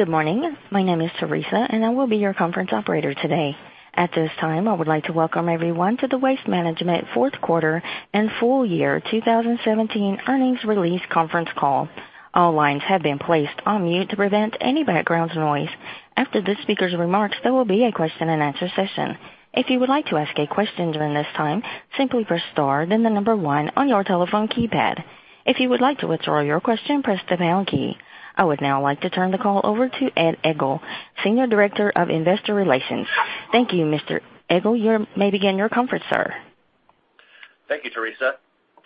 Good morning. My name is Teresa. I will be your conference operator today. At this time, I would like to welcome everyone to the Waste Management fourth quarter and full year 2017 earnings release conference call. All lines have been placed on mute to prevent any background noise. After the speakers' remarks, there will be a question-and-answer session. If you would like to ask a question during this time, simply press star, then the number one on your telephone keypad. If you would like to withdraw your question, press the pound key. I would now like to turn the call over to Ed Egl, Senior Director of Investor Relations. Thank you, Mr. Egl. You may begin your conference, sir. Thank you, Teresa.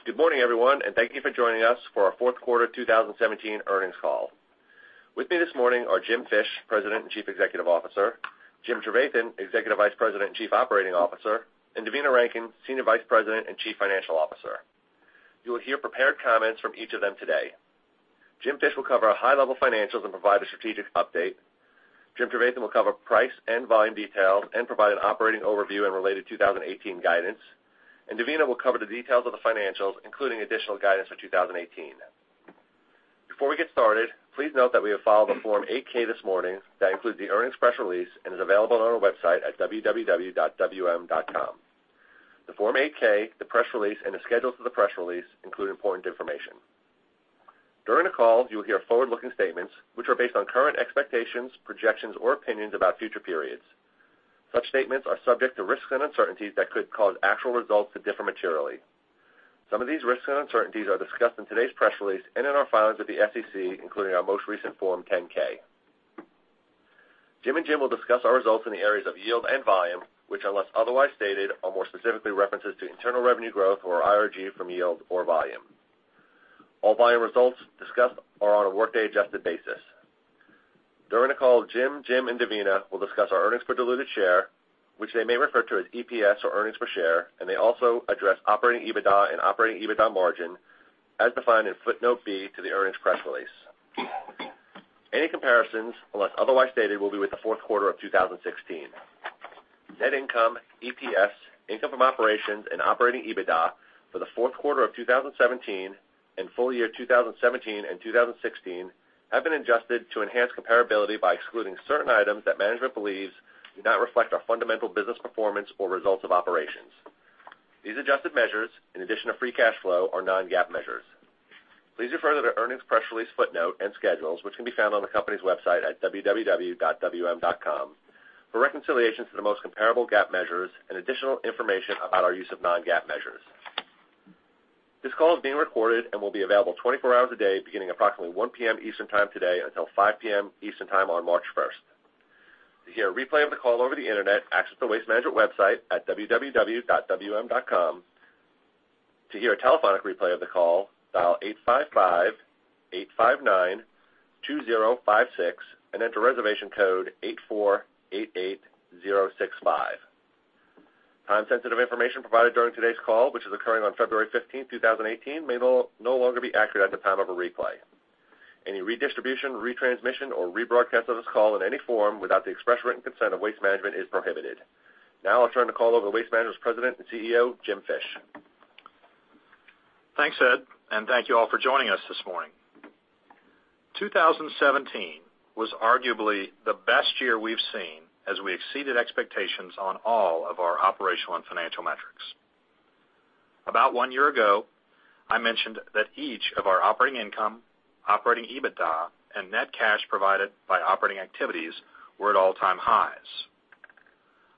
Good morning, everyone. Thank you for joining us for our fourth quarter 2017 earnings call. With me this morning are Jim Fish, President and Chief Executive Officer, Jim Trevathan, Executive Vice President and Chief Operating Officer, and Devina Rankin, Senior Vice President and Chief Financial Officer. You will hear prepared comments from each of them today. Jim Fish will cover our high-level financials and provide a strategic update. Jim Trevathan will cover price and volume details and provide an operating overview and related 2018 guidance. Devina will cover the details of the financials, including additional guidance for 2018. Before we get started, please note that we have filed a Form 8-K this morning that includes the earnings press release and is available on our website at www.wm.com. The Form 8-K, the press release, and the schedules to the press release include important information. During the call, you will hear forward-looking statements which are based on current expectations, projections, or opinions about future periods. Such statements are subject to risks and uncertainties that could cause actual results to differ materially. Some of these risks and uncertainties are discussed in today's press release and in our filings with the SEC, including our most recent Form 10-K. Jim and Jim will discuss our results in the areas of yield and volume, which, unless otherwise stated, are more specifically references to internal revenue growth, or IRG, from yield or volume. All volume results discussed are on a workday-adjusted basis. During the call, Jim, and Devina will discuss our earnings per diluted share, which they may refer to as EPS, or earnings per share. They also address operating EBITDA and operating EBITDA margin as defined in footnote b to the earnings press release. Any comparisons, unless otherwise stated, will be with the fourth quarter of 2016. Net income, EPS, income from operations, and operating EBITDA for the fourth quarter of 2017 and full year 2017 and 2016 have been adjusted to enhance comparability by excluding certain items that management believes do not reflect our fundamental business performance or results of operations. These adjusted measures, in addition to free cash flow, are non-GAAP measures. Please refer to the earnings press release footnote and schedules, which can be found on the company's website at www.wm.com, for reconciliations to the most comparable GAAP measures and additional information about our use of non-GAAP measures. This call is being recorded and will be available 24 hours a day, beginning approximately 1:00 P.M. Eastern time today until 5:00 P.M. Eastern time on March first. To hear a replay of the call over the internet, access the Waste Management website at www.wm.com. To hear a telephonic replay of the call, dial 855-859-2056 and enter reservation code 8488065. Time-sensitive information provided during today's call, which is occurring on February 15th, 2018, may no longer be accurate at the time of a replay. Any redistribution, retransmission, or rebroadcast of this call in any form without the express written consent of Waste Management is prohibited. Now I'll turn the call over to Waste Management's President and CEO, Jim Fish. Thanks, Ed, and thank you all for joining us this morning. 2017 was arguably the best year we've seen as we exceeded expectations on all of our operational and financial metrics. About one year ago, I mentioned that each of our operating income, operating EBITDA, and net cash provided by operating activities were at all-time highs.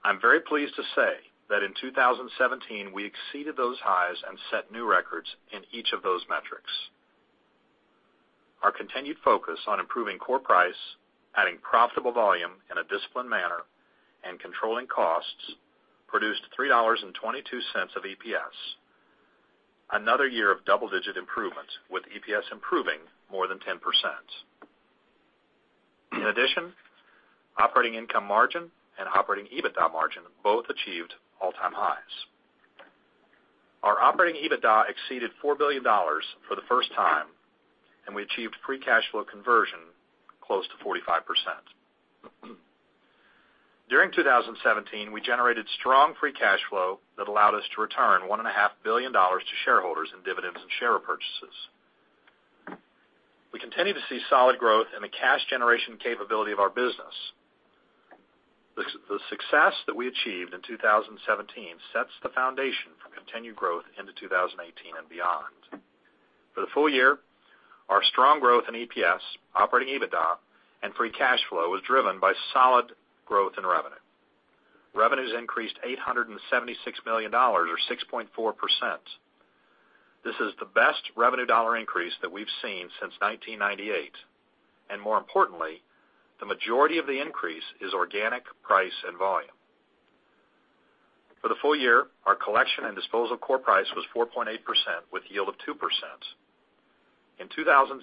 I'm very pleased to say that in 2017, we exceeded those highs and set new records in each of those metrics. Our continued focus on improving core price, adding profitable volume in a disciplined manner, and controlling costs produced $3.22 of EPS. Another year of double-digit improvements, with EPS improving more than 10%. In addition, operating income margin and operating EBITDA margin both achieved all-time highs. Our operating EBITDA exceeded $4 billion for the first time, and we achieved free cash flow conversion close to 45%. During 2017, we generated strong free cash flow that allowed us to return $1.5 billion to shareholders in dividends and share purchases. We continue to see solid growth in the cash generation capability of our business. The success that we achieved in 2017 sets the foundation for continued growth into 2018 and beyond. For the full year, our strong growth in EPS, operating EBITDA, and free cash flow was driven by solid growth in revenue. Revenues increased $876 million, or 6.4%. This is the best revenue dollar increase that we've seen since 1998, and more importantly, the majority of the increase is organic price and volume. For the full year, our collection and disposal core price was 4.8%, with yield of 2%. In 2017,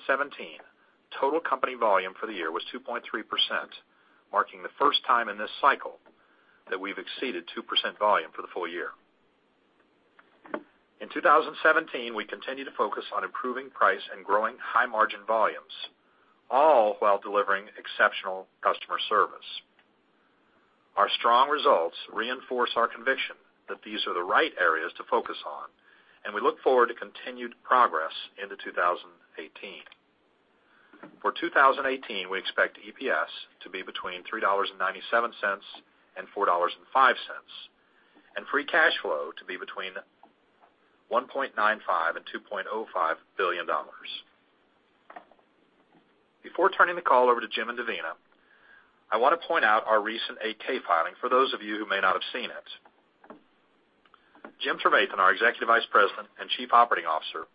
total company volume for the year was 2.3%, marking the first time in this cycle that we've exceeded 2% volume for the full year. In 2017, we continued to focus on improving price and growing high-margin volumes, all while delivering exceptional customer service. Our strong results reinforce our conviction that these are the right areas to focus on, and we look forward to continued progress into 2018. For 2018, we expect EPS to be between $3.97 and $4.05, and free cash flow to be between $1.95 billion and $2.05 billion. Before turning the call over to Jim and Devina, I want to point out our recent 8-K filing for those of you who may not have seen it. Jim Trevathan, our Executive Vice President and Chief Operating Officer,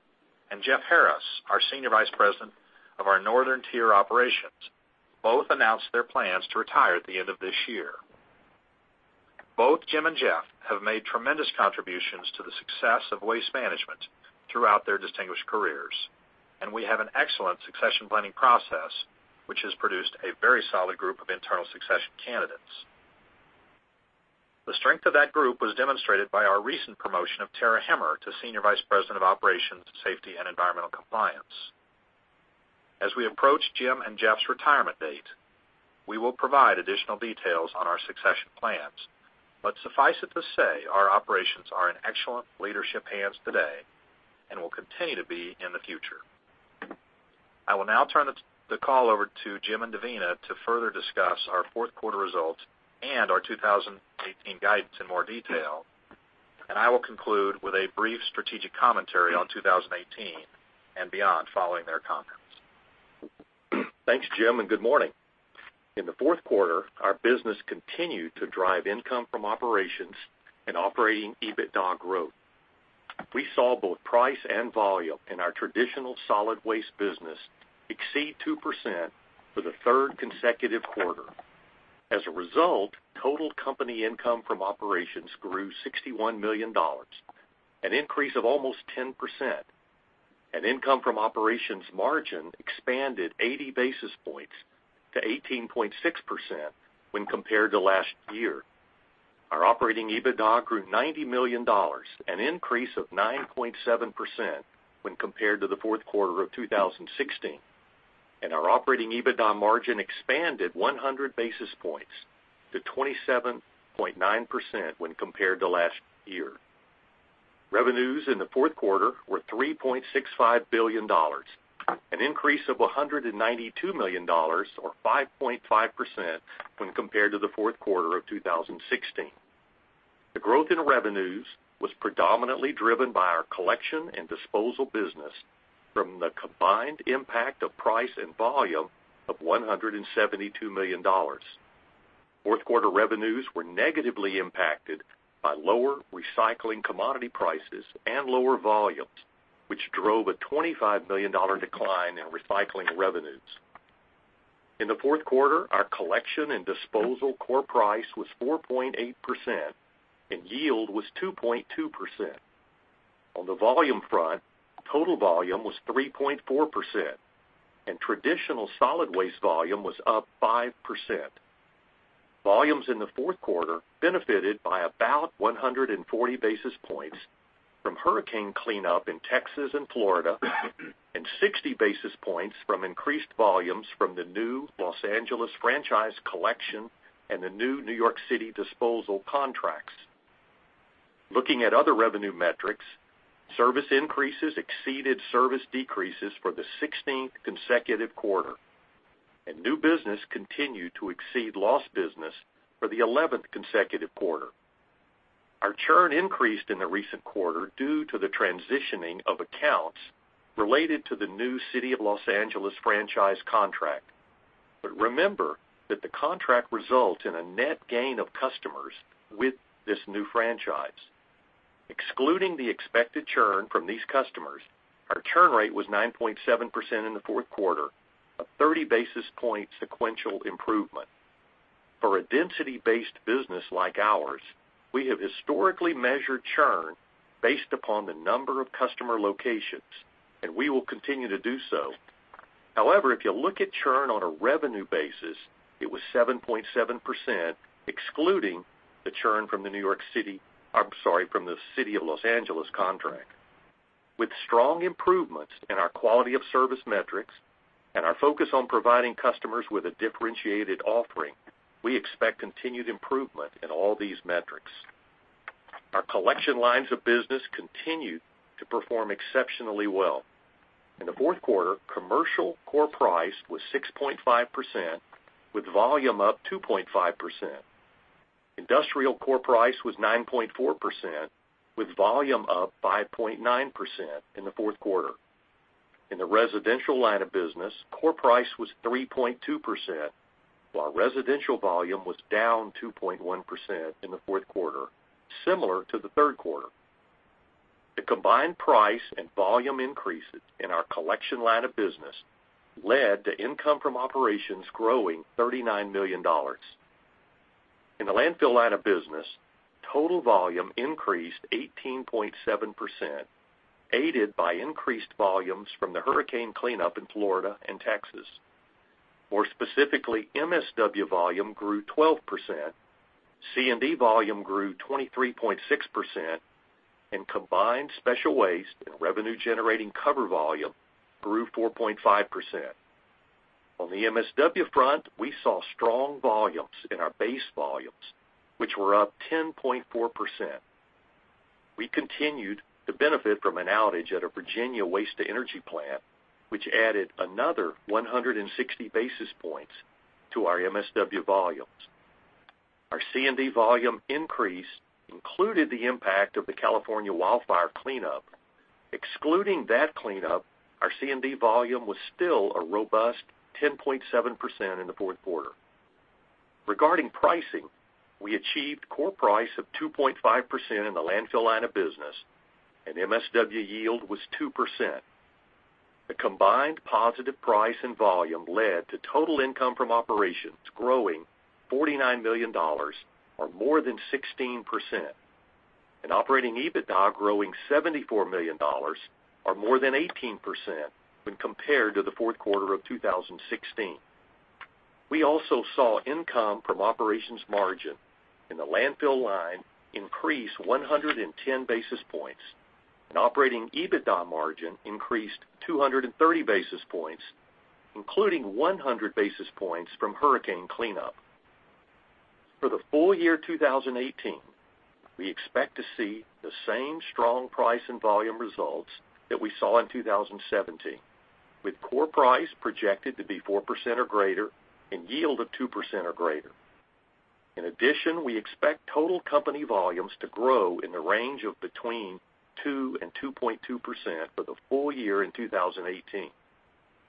and Jeff Harris, our Senior Vice President of our Northern Tier operations, both announced their plans to retire at the end of this year. Both Jim and Jeff have made tremendous contributions to the success of Waste Management throughout their distinguished careers, and we have an excellent succession planning process, which has produced a very solid group of internal succession candidates. The strength of that group was demonstrated by our recent promotion of Tara Hemmer to Senior Vice President of Operations, Safety, and Environmental Compliance. As we approach Jim and Jeff's retirement date, we will provide additional details on our succession plans. Suffice it to say, our operations are in excellent leadership hands today and will continue to be in the future. I will now turn the call over to Jim and Devina to further discuss our fourth quarter results and our 2018 guidance in more detail, and I will conclude with a brief strategic commentary on 2018 and beyond following their comments. Thanks, Jim, and good morning. In the fourth quarter, our business continued to drive income from operations and operating EBITDA growth. We saw both price and volume in our traditional solid waste business exceed 2% for the third consecutive quarter. As a result, total company income from operations grew $61 million, an increase of almost 10%. Income from operations margin expanded 80 basis points to 18.6% when compared to last year. Our operating EBITDA grew $90 million, an increase of 9.7% when compared to the fourth quarter of 2016. Our operating EBITDA margin expanded 100 basis points to 27.9% when compared to last year. Revenues in the fourth quarter were $3.65 billion, an increase of $192 million or 5.5% when compared to the fourth quarter of 2016. The growth in revenues was predominantly driven by our collection and disposal business from the combined impact of price and volume of $172 million. Fourth quarter revenues were negatively impacted by lower recycling commodity prices and lower volumes, which drove a $25 million decline in recycling revenues. In the fourth quarter, our collection and disposal core price was 4.8% and yield was 2.2%. On the volume front, total volume was 3.4%, and traditional solid waste volume was up 5%. Volumes in the fourth quarter benefited by about 140 basis points from hurricane cleanup in Texas and Florida and 60 basis points from increased volumes from the new Los Angeles franchise collection and the new New York City disposal contracts. Looking at other revenue metrics, service increases exceeded service decreases for the 16th consecutive quarter. New business continued to exceed lost business for the 11th consecutive quarter. Our churn increased in the recent quarter due to the transitioning of accounts related to the new City of Los Angeles franchise contract. Remember that the contract results in a net gain of customers with this new franchise. Excluding the expected churn from these customers, our churn rate was 9.7% in the fourth quarter, a 30-basis-point sequential improvement. For a density-based business like ours, we have historically measured churn based upon the number of customer locations, and we will continue to do so. However, if you look at churn on a revenue basis, it was 7.7%, excluding the churn from the City of Los Angeles contract. With strong improvements in our quality of service metrics and our focus on providing customers with a differentiated offering, we expect continued improvement in all these metrics. Our collection lines of business continued to perform exceptionally well. In the fourth quarter, commercial core price was 6.5%, with volume up 2.5%. Industrial core price was 9.4%, with volume up 5.9% in the fourth quarter. In the residential line of business, core price was 3.2%, while residential volume was down 2.1% in the fourth quarter, similar to the third quarter. The combined price and volume increases in our collection line of business led to income from operations growing $39 million. In the landfill line of business, total volume increased 18.7%, aided by increased volumes from the hurricane cleanup in Florida and Texas. More specifically, MSW volume grew 12%, C&D volume grew 23.6%, and combined special waste and revenue-generating cover volume grew 4.5%. On the MSW front, we saw strong volumes in our base volumes, which were up 10.4%. We continued to benefit from an outage at a Virginia waste-to-energy plant, which added another 160 basis points to our MSW volumes. Our C&D volume increase included the impact of the California wildfire cleanup. Excluding that cleanup, our C&D volume was still a robust 10.7% in the fourth quarter. Regarding pricing, we achieved core price of 2.5% in the landfill line of business, and MSW yield was 2%. The combined positive price and volume led to total income from operations growing $49 million or more than 16%, and operating EBITDA growing $74 million or more than 18% when compared to the fourth quarter of 2016. We also saw income from operations margin in the landfill line increase 110 basis points, and operating EBITDA margin increased 230 basis points, including 100 basis points from hurricane cleanup. For the full year 2018, we expect to see the same strong price and volume results that we saw in 2017, with core price projected to be 4% or greater and yield of 2% or greater. In addition, we expect total company volumes to grow in the range of between 2% and 2.2% for the full year in 2018,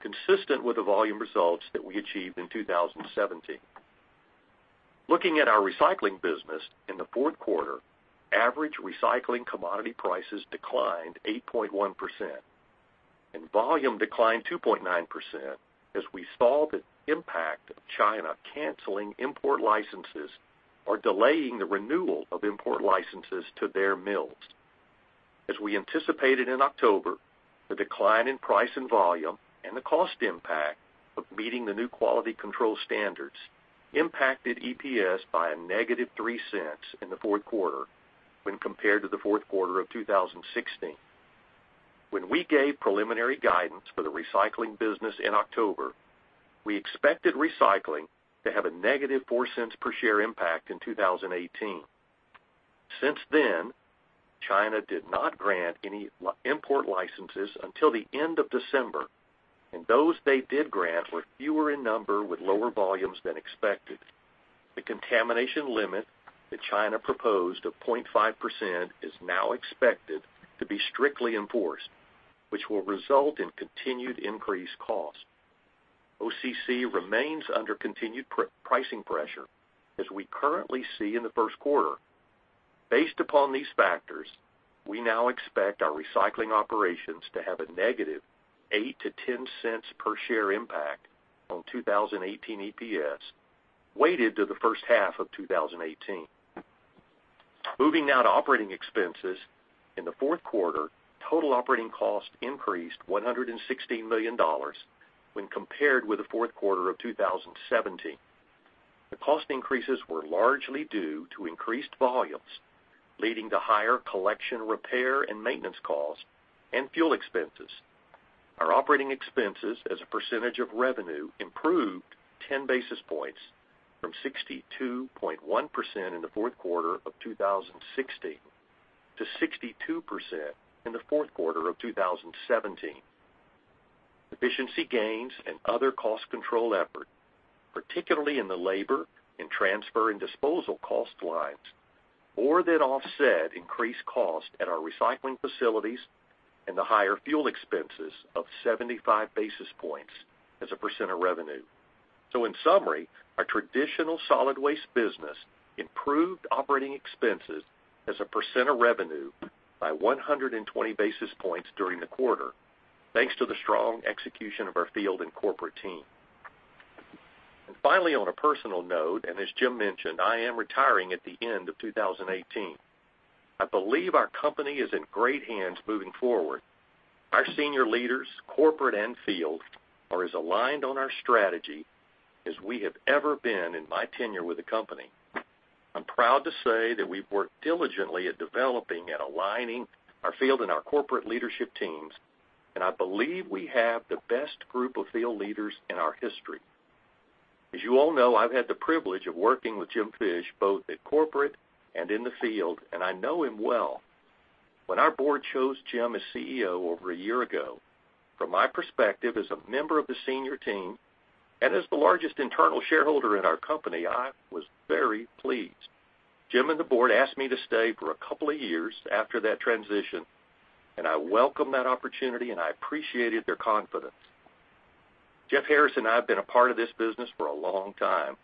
consistent with the volume results that we achieved in 2017. Looking at our recycling business in the fourth quarter, average recycling commodity prices declined 8.1%, and volume declined 2.9% as we saw the impact of China canceling import licenses or delaying the renewal of import licenses to their mills. As we anticipated in October, the decline in price and volume and the cost impact of meeting the new quality control standards impacted EPS by a negative $0.03 in the fourth quarter when compared to the fourth quarter of 2016. When we gave preliminary guidance for the recycling business in October, we expected recycling to have a negative $0.04 per share impact in 2018. Since then, China did not grant any import licenses until the end of December, and those they did grant were fewer in number with lower volumes than expected. The contamination limit that China proposed of 0.5% is now expected to be strictly enforced, which will result in continued increased cost. OCC remains under continued pricing pressure as we currently see in the first quarter. Based upon these factors, we now expect our recycling operations to have a negative $0.08 to $0.10 per share impact on 2018 EPS, weighted to the first half of 2018. Moving now to operating expenses. In the fourth quarter, total operating cost increased $116 million when compared with the fourth quarter of 2016. The cost increases were largely due to increased volumes, leading to higher collection, repair, and maintenance costs and fuel expenses. Our operating expenses as a percentage of revenue improved 10 basis points from 62.1% in the fourth quarter of 2016 to 62% in the fourth quarter of 2017. Efficiency gains and other cost control efforts, particularly in the labor and transfer and disposal cost lines, more than offset increased cost at our recycling facilities and the higher fuel expenses of 75 basis points as a % of revenue. In summary, our traditional solid waste business improved operating expenses as a % of revenue by 120 basis points during the quarter, thanks to the strong execution of our field and corporate team. Finally, on a personal note, as Jim mentioned, I am retiring at the end of 2018. I believe our company is in great hands moving forward. Our senior leaders, corporate and field, are as aligned on our strategy as we have ever been in my tenure with the company. I'm proud to say that we've worked diligently at developing and aligning our field and our corporate leadership teams. I believe we have the best group of field leaders in our history. As you all know, I've had the privilege of working with Jim Fish both at corporate and in the field. I know him well. When our board chose Jim as CEO over a year ago, from my perspective as a member of the senior team and as the largest internal shareholder in our company, I was very pleased. Jim and the board asked me to stay for a couple of years after that transition. I welcomed that opportunity and I appreciated their confidence. Jeff Harris and I have been a part of this business for a long time.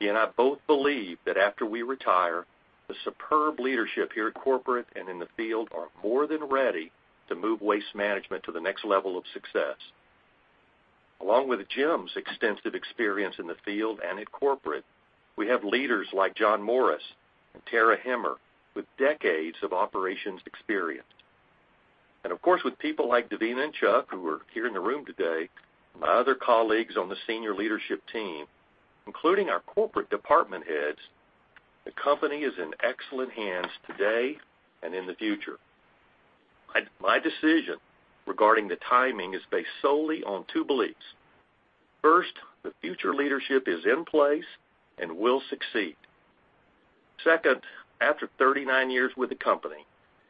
He and I both believe that after we retire, the superb leadership here at corporate and in the field are more than ready to move Waste Management to the next level of success. Along with Jim's extensive experience in the field and at corporate, we have leaders like John Morris and Tara Hemmer with decades of operations experience. Of course, with people like Devina and Chuck, who are here in the room today, my other colleagues on the senior leadership team, including our corporate department heads, the company is in excellent hands today and in the future. My decision regarding the timing is based solely on two beliefs. First, the future leadership is in place and will succeed. Second, after 39 years with the company,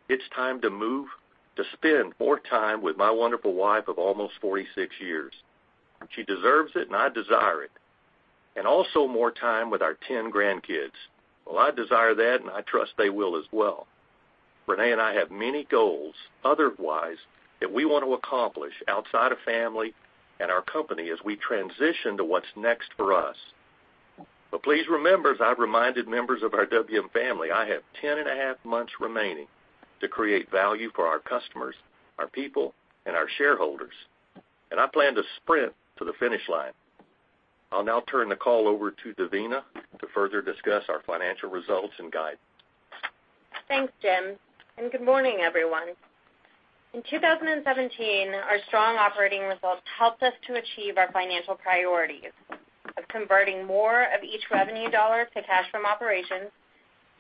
it's time to move to spend more time with my wonderful wife of almost 46 years. She deserves it. I desire it, also more time with our 10 grandkids. I desire that. I trust they will as well. Renee and I have many goals otherwise that we want to accomplish outside of family and our company as we transition to what's next for us. Please remember, as I've reminded members of our WM family, I have 10 and a half months remaining to create value for our customers, our people, and our shareholders. I plan to sprint to the finish line. I'll now turn the call over to Devina to further discuss our financial results and guide. Thanks, Jim, and good morning, everyone. In 2017, our strong operating results helped us to achieve our financial priorities of converting more of each revenue dollar to cash from operations,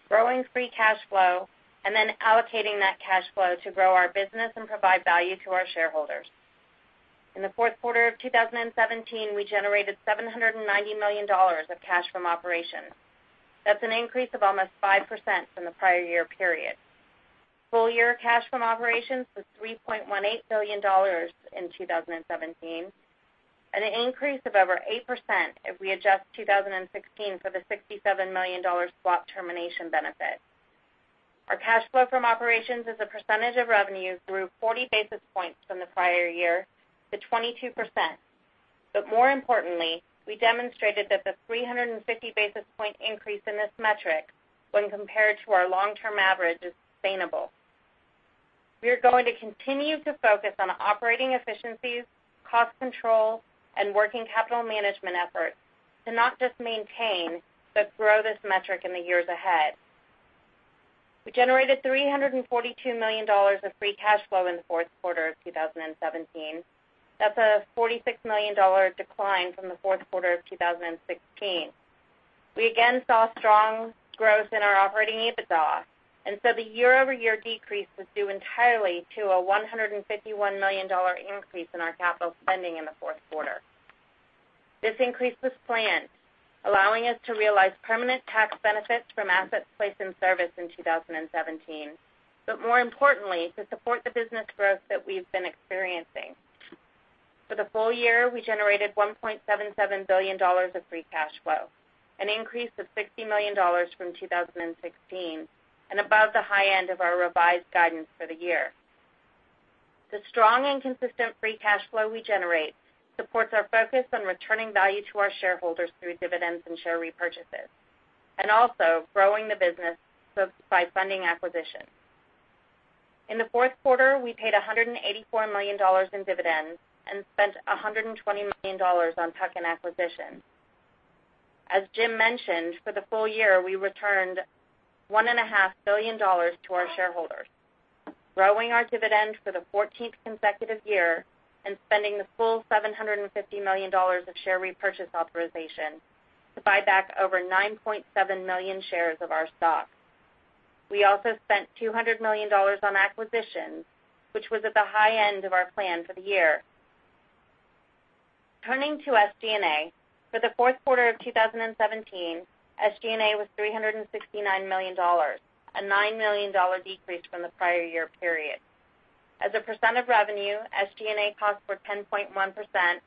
growing free cash flow, and then allocating that cash flow to grow our business and provide value to our shareholders. In the fourth quarter of 2017, we generated $790 million of cash from operations. That's an increase of almost 5% from the prior year period. Full-year cash from operations was $3.18 billion in 2017, an increase of over 8% if we adjust 2016 for the $67 million swap termination benefit. Our cash flow from operations as a percentage of revenue grew 40 basis points from the prior year to 22%. More importantly, we demonstrated that the 350 basis point increase in this metric when compared to our long-term average is sustainable. We are going to continue to focus on operating efficiencies, cost control, and working capital management efforts to not just maintain, but grow this metric in the years ahead. We generated $342 million of free cash flow in the fourth quarter of 2017. That's a $46 million decline from the fourth quarter of 2016. We again saw strong growth in our operating EBITDA, so the year-over-year decrease was due entirely to a $151 million increase in our capital spending in the fourth quarter. This increase was planned, allowing us to realize permanent tax benefits from assets placed in service in 2017. More importantly, to support the business growth that we've been experiencing. For the full year, we generated $1.77 billion of free cash flow, an increase of $60 million from 2016, above the high end of our revised guidance for the year. The strong and consistent free cash flow we generate supports our focus on returning value to our shareholders through dividends and share repurchases, and also growing the business by funding acquisitions. In the fourth quarter, we paid $184 million in dividends and spent $120 million on tuck-in acquisitions. As Jim mentioned, for the full year, we returned $1.5 billion to our shareholders, growing our dividend for the 14th consecutive year and spending the full $750 million of share repurchase authorization to buy back over 9.7 million shares of our stock. We also spent $200 million on acquisitions, which was at the high end of our plan for the year. Turning to SG&A. For the fourth quarter of 2017, SG&A was $369 million, a $9 million decrease from the prior year period. As a percent of revenue, SG&A costs were 10.1%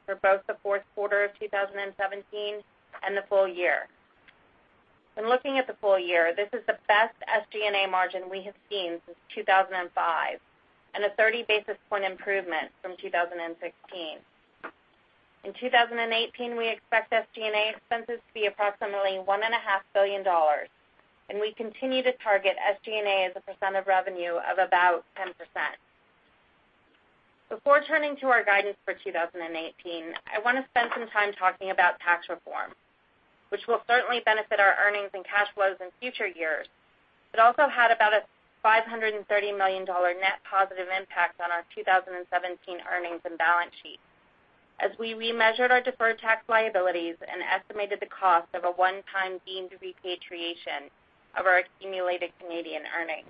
for both the fourth quarter of 2017 and the full year. When looking at the full year, this is the best SG&A margin we have seen since 2005 and a 30 basis point improvement from 2016. In 2018, we expect SG&A expenses to be approximately $1.5 billion, we continue to target SG&A as a percent of revenue of about 10%. Before turning to our guidance for 2018, I want to spend some time talking about tax reform, which will certainly benefit our earnings and cash flows in future years. It also had about a $530 million net positive impact on our 2017 earnings and balance sheet as we remeasured our deferred tax liabilities and estimated the cost of a one-time deemed repatriation of our accumulated Canadian earnings.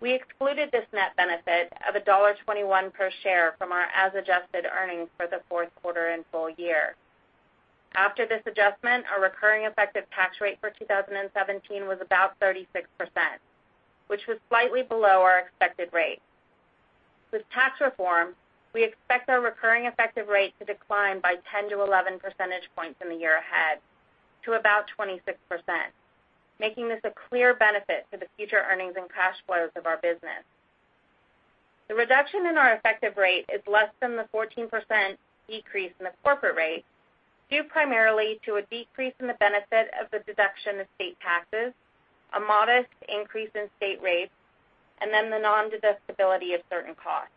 We excluded this net benefit of $1.21 per share from our as-adjusted earnings for the fourth quarter and full year. After this adjustment, our recurring effective tax rate for 2017 was about 36%, which was slightly below our expected rate. With tax reform, we expect our recurring effective rate to decline by 10-11 percentage points in the year ahead to about 26%, making this a clear benefit to the future earnings and cash flows of our business. The reduction in our effective rate is less than the 14% decrease in the corporate rate, due primarily to a decrease in the benefit of the deduction of state taxes, a modest increase in state rates, and then the nondeductibility of certain costs.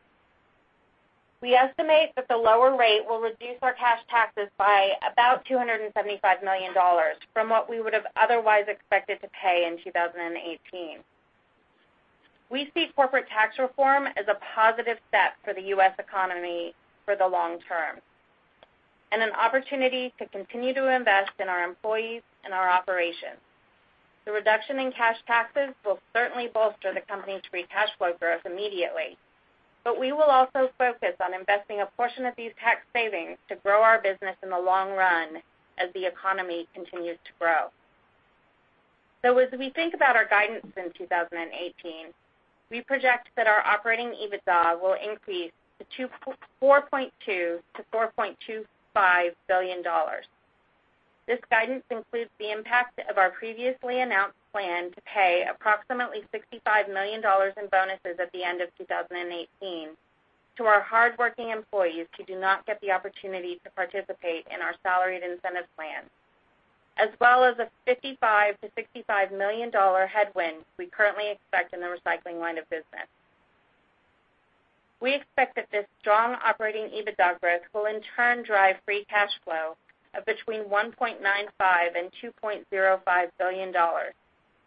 We estimate that the lower rate will reduce our cash taxes by about $275 million from what we would have otherwise expected to pay in 2018. We see corporate tax reform as a positive step for the U.S. economy for the long term. An opportunity to continue to invest in our employees and our operations. The reduction in cash taxes will certainly bolster the company's free cash flow growth immediately. We will also focus on investing a portion of these tax savings to grow our business in the long run as the economy continues to grow. As we think about our guidance in 2018, we project that our operating EBITDA will increase to $4.2 billion-$4.25 billion. This guidance includes the impact of our previously announced plan to pay approximately $65 million in bonuses at the end of 2018 to our hardworking employees who do not get the opportunity to participate in our salaried incentive plan, as well as a $55 million-$65 million headwind we currently expect in the recycling line of business. We expect that this strong operating EBITDA growth will in turn drive free cash flow of between $1.95 and $2.05 billion.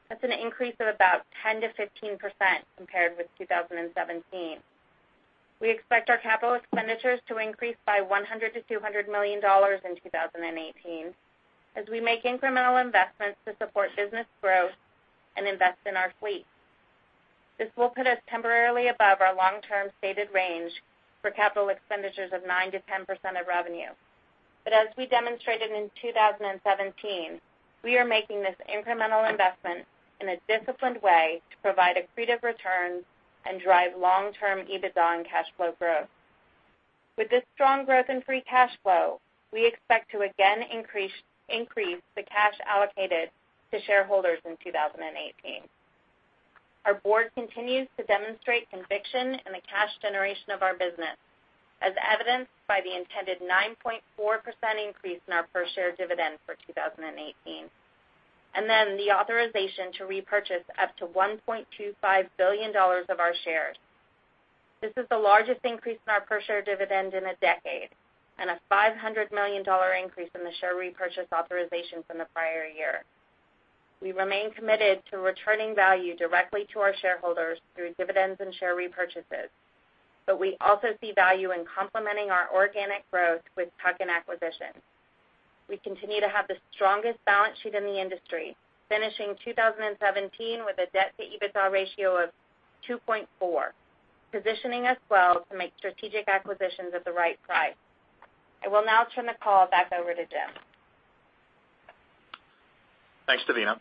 That's an increase of about 10%-15% compared with 2017. We expect our capital expenditures to increase by $100 million-$200 million in 2018 as we make incremental investments to support business growth and invest in our fleet. This will put us temporarily above our long-term stated range for capital expenditures of 9%-10% of revenue. As we demonstrated in 2017, we are making this incremental investment in a disciplined way to provide accretive returns and drive long-term EBITDA and cash flow growth. With this strong growth in free cash flow, we expect to again increase the cash allocated to shareholders in 2018. Our board continues to demonstrate conviction in the cash generation of our business, as evidenced by the intended 9.4% increase in our per-share dividend for 2018. The authorization to repurchase up to $1.25 billion of our shares. This is the largest increase in our per-share dividend in a decade, and a $500 million increase in the share repurchase authorization from the prior year. We also see value in complementing our organic growth with tuck-in acquisitions. We continue to have the strongest balance sheet in the industry, finishing 2017 with a debt-to-EBITDA ratio of 2.4, positioning us well to make strategic acquisitions at the right price. I will now turn the call back over to Jim. Thanks, Devina.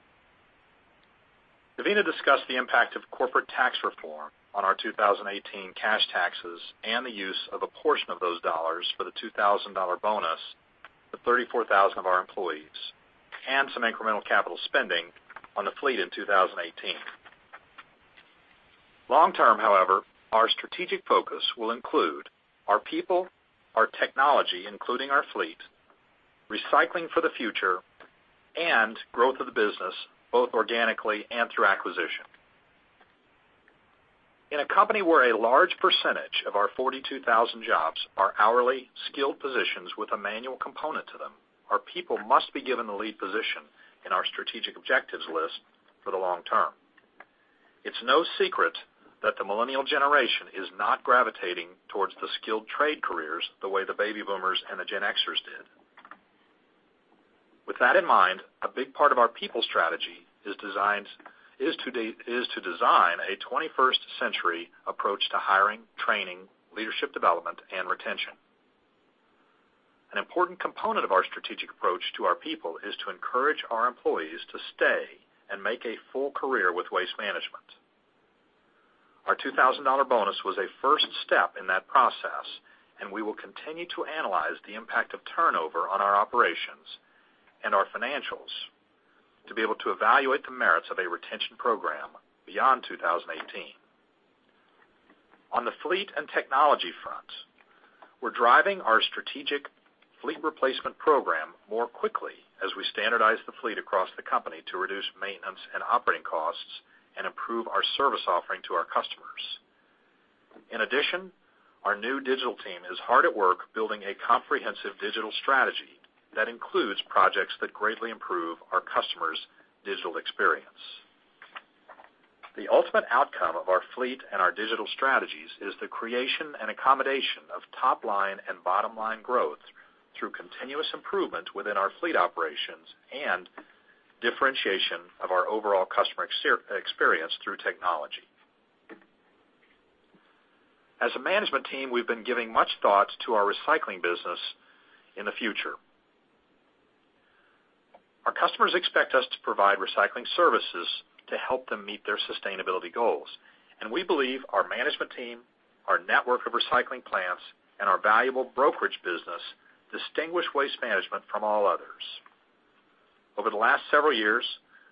Devina discussed the impact of corporate tax reform on our 2018 cash taxes and the use of a portion of those dollars for the $2,000 bonus to 34,000 of our employees, and some incremental capital spending on the fleet in 2018. Long term, however, our strategic focus will include our people, our technology, including our fleet, recycling for the future, and growth of the business, both organically and through acquisition. In a company where a large percentage of our 42,000 jobs are hourly skilled positions with a manual component to them, our people must be given the lead position in our strategic objectives list for the long term. It's no secret that the millennial generation is not gravitating towards the skilled trade careers the way the baby boomers and the Gen Xers did. With that in mind, a big part of our people strategy is to design a 21st century approach to hiring, training, leadership development, and retention. An important component of our strategic approach to our people is to encourage our employees to stay and make a full career with Waste Management. Our $2,000 bonus was a first step in that process, and we will continue to analyze the impact of turnover on our operations and our financials to be able to evaluate the merits of a retention program beyond 2018. On the fleet and technology front, we're driving our strategic fleet replacement program more quickly as we standardize the fleet across the company to reduce maintenance and operating costs and improve our service offering to our customers. In addition, our new digital team is hard at work building a comprehensive digital strategy that includes projects that greatly improve our customers' digital experience. The ultimate outcome of our fleet and our digital strategies is the creation and accommodation of top-line and bottom-line growth through continuous improvement within our fleet operations and differentiation of our overall customer experience through technology. As a management team, we've been giving much thought to our recycling business in the future. Our customers expect us to provide recycling services to help them meet their sustainability goals, and we believe our management team, our network of recycling plants, and our valuable brokerage business distinguish Waste Management from all others. Over the last several years,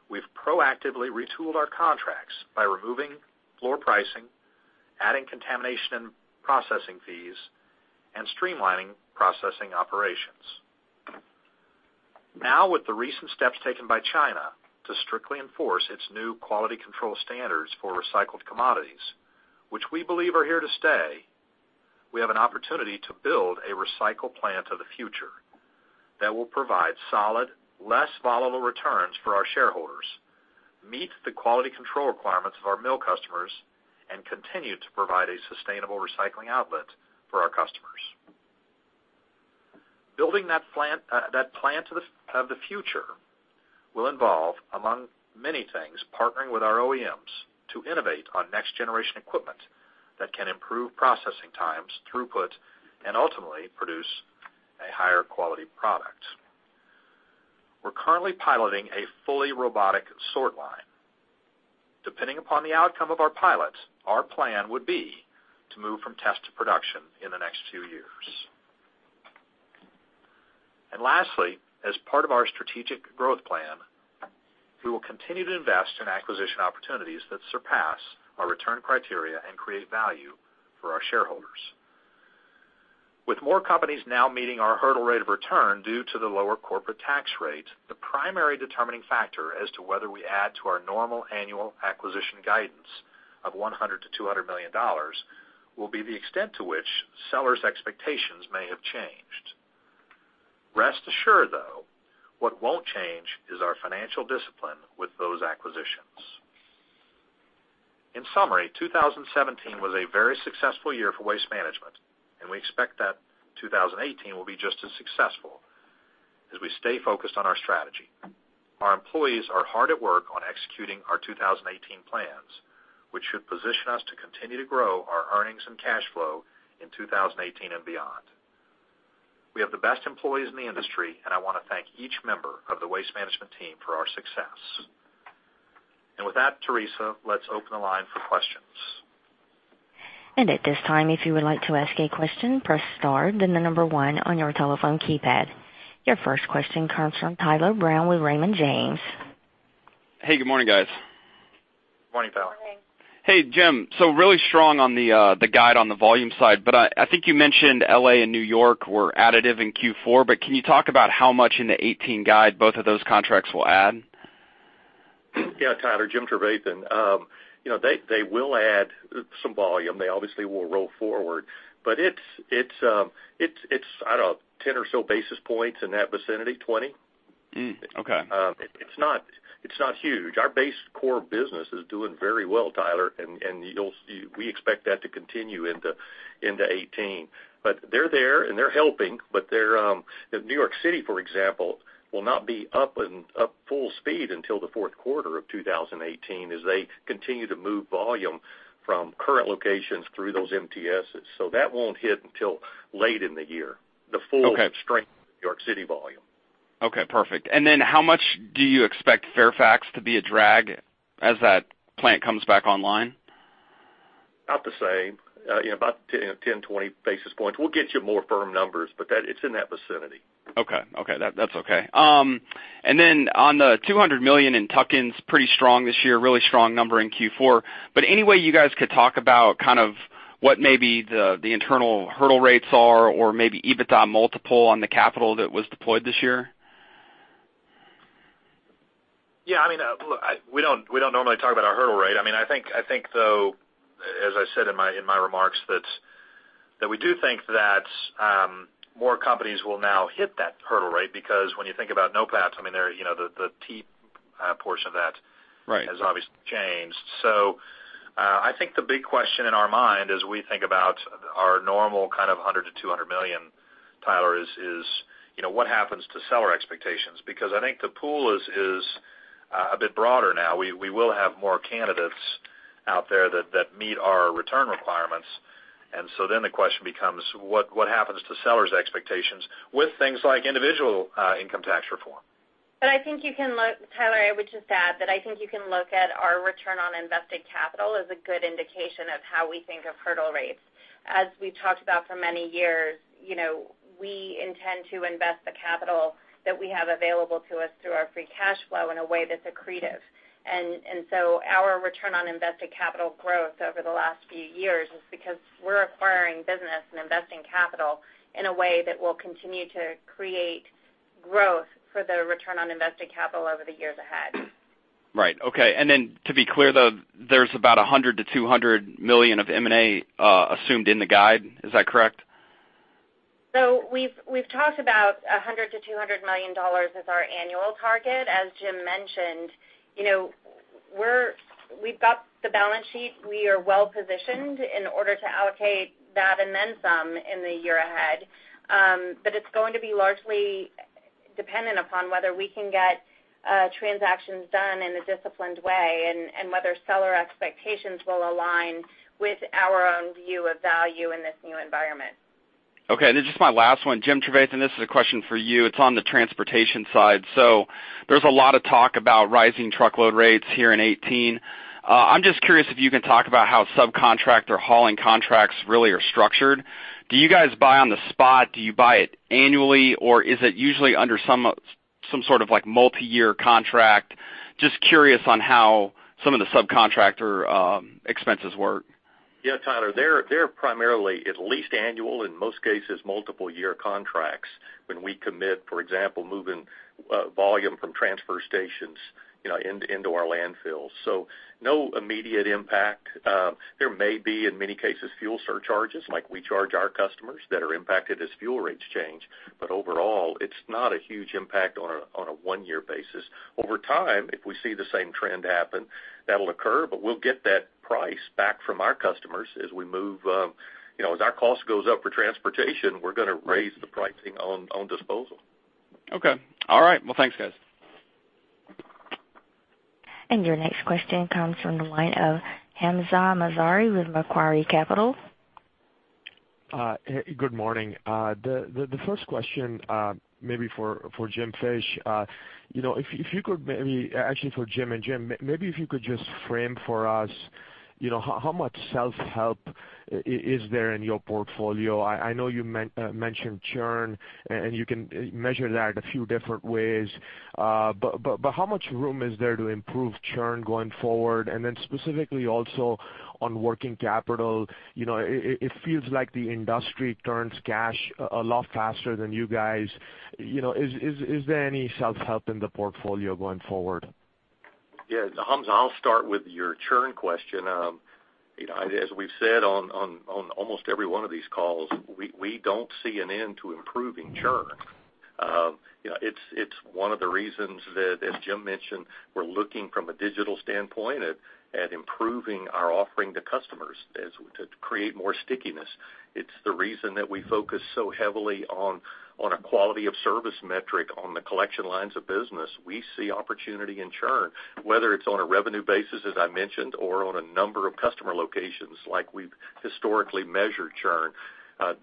we've proactively retooled our contracts by removing floor pricing, adding contamination processing fees, and streamlining processing operations. With the recent steps taken by China to strictly enforce its new quality control standards for recycled commodities, which we believe are here to stay, we have an opportunity to build a recycle plant of the future that will provide solid, less volatile returns for our shareholders, meet the quality control requirements of our mill customers and continue to provide a sustainable recycling outlet for our customers. Building that plant of the future will involve, among many things, partnering with our OEMs to innovate on next-generation equipment that can improve processing times, throughput, and ultimately produce a higher quality product. We're currently piloting a fully robotic sort line. Depending upon the outcome of our pilot, our plan would be to move from test to production in the next few years. Lastly, as part of our strategic growth plan, we will continue to invest in acquisition opportunities that surpass our return criteria and create value for our shareholders. With more companies now meeting our hurdle rate of return due to the lower corporate tax rate, the primary determining factor as to whether we add to our normal annual acquisition guidance of $100 million-$200 million will be the extent to which sellers' expectations may have changed. Rest assured, though, what won't change is our financial discipline with those acquisitions. In summary, 2017 was a very successful year for Waste Management, and we expect that 2018 will be just as successful as we stay focused on our strategy. Our employees are hard at work on executing our 2018 plans, which should position us to continue to grow our earnings and cash flow in 2018 and beyond. We have the best employees in the industry, I want to thank each member of the Waste Management team for our success. With that, Teresa, let's open the line for questions. At this time, if you would like to ask a question, press star, then the number 1 on your telephone keypad. Your first question comes from Tyler Brown with Raymond James. Hey, good morning, guys. Morning, Tyler. Morning. Hey, Jim. Really strong on the guide on the volume side, I think you mentioned L.A. and New York were additive in Q4, can you talk about how much in the 2018 guide both of those contracts will add? Yeah, Tyler, Jim Trevathan. They will add some volume. They obviously will roll forward. It's, I don't know, 10 or so basis points in that vicinity, 20. Okay. It's not huge. Our base core business is doing very well, Tyler, and we expect that to continue into 2018. They're there, and they're helping, but New York City, for example, will not be up full speed until the fourth quarter of 2018 as they continue to move volume from current locations through those MTSs. That won't hit until late in the year. Okay. The full strength of New York City volume. Okay, perfect. How much do you expect Fairfax to be a drag as that plant comes back online? About the same. About 10, 20 basis points. We'll get you more firm numbers, it's in that vicinity. Okay. That's okay. On the $200 million in tuck-ins, pretty strong this year, really strong number in Q4. Any way you guys could talk about what maybe the internal hurdle rates are or maybe EBITDA multiple on the capital that was deployed this year? We don't normally talk about our hurdle rate. As I said in my remarks, we do think that more companies will now hit that hurdle rate because when you think about NOPAT, the T portion of that- Right has obviously changed. I think the big question in our mind as we think about our normal kind of $100 million to $200 million, Tyler, is what happens to seller expectations? I think the pool is a bit broader now. We will have more candidates out there that meet our return requirements. The question becomes what happens to sellers' expectations with things like individual income tax reform? I think you can look, Tyler, I would just add that I think you can look at our return on invested capital as a good indication of how we think of hurdle rates. As we've talked about for many years, we intend to invest the capital that we have available to us through our free cash flow in a way that's accretive. Our return on invested capital growth over the last few years is because we're acquiring business and investing capital in a way that will continue to create growth for the return on invested capital over the years ahead. Right. Okay. To be clear, though, there's about $100 million-$200 million of M&A assumed in the guide. Is that correct? We've talked about $100 million-$200 million as our annual target. As Jim mentioned, we've got the balance sheet. We are well-positioned in order to allocate that and then some in the year ahead. It's going to be largely dependent upon whether we can get transactions done in a disciplined way and whether seller expectations will align with our own view of value in this new environment. Okay, this is my last one. Jim Trevathan, this is a question for you. It's on the transportation side. There's a lot of talk about rising truckload rates here in 2018. I'm just curious if you can talk about how subcontractor hauling contracts really are structured. Do you guys buy on the spot? Do you buy it annually, or is it usually under some sort of multi-year contract? Just curious on how some of the subcontractor expenses work. Yeah, Tyler, they're primarily at least annual, in most cases, multi-year contracts when we commit, for example, moving volume from transfer stations into our landfills. No immediate impact. There may be, in many cases, fuel surcharges, like we charge our customers that are impacted as fuel rates change. Overall, it's not a huge impact on a one-year basis. Over time, if we see the same trend happen, that'll occur, but we'll get that price back from our customers as our cost goes up for transportation, we're going to raise the pricing on disposal. Okay. All right. Well, thanks, guys. Your next question comes from the line of Hamzah Mazari with Macquarie Capital. Good morning. The first question, maybe for Jim Fish. Actually for Jim and Jim, maybe if you could just frame for us, how much self-help is there in your portfolio? I know you mentioned churn, and you can measure that a few different ways, but how much room is there to improve churn going forward? Then specifically also on working capital, it feels like the industry turns cash a lot faster than you guys. Is there any self-help in the portfolio going forward? Yes. Hamzah, I'll start with your churn question. As we've said on almost every one of these calls, we don't see an end to improving churn. It's one of the reasons that, as Jim mentioned, we're looking from a digital standpoint at improving our offering to customers to create more stickiness. It's the reason that we focus so heavily on a quality of service metric on the collection lines of business. We see opportunity in churn, whether it's on a revenue basis, as I mentioned, or on a number of customer locations like we've historically measured churn.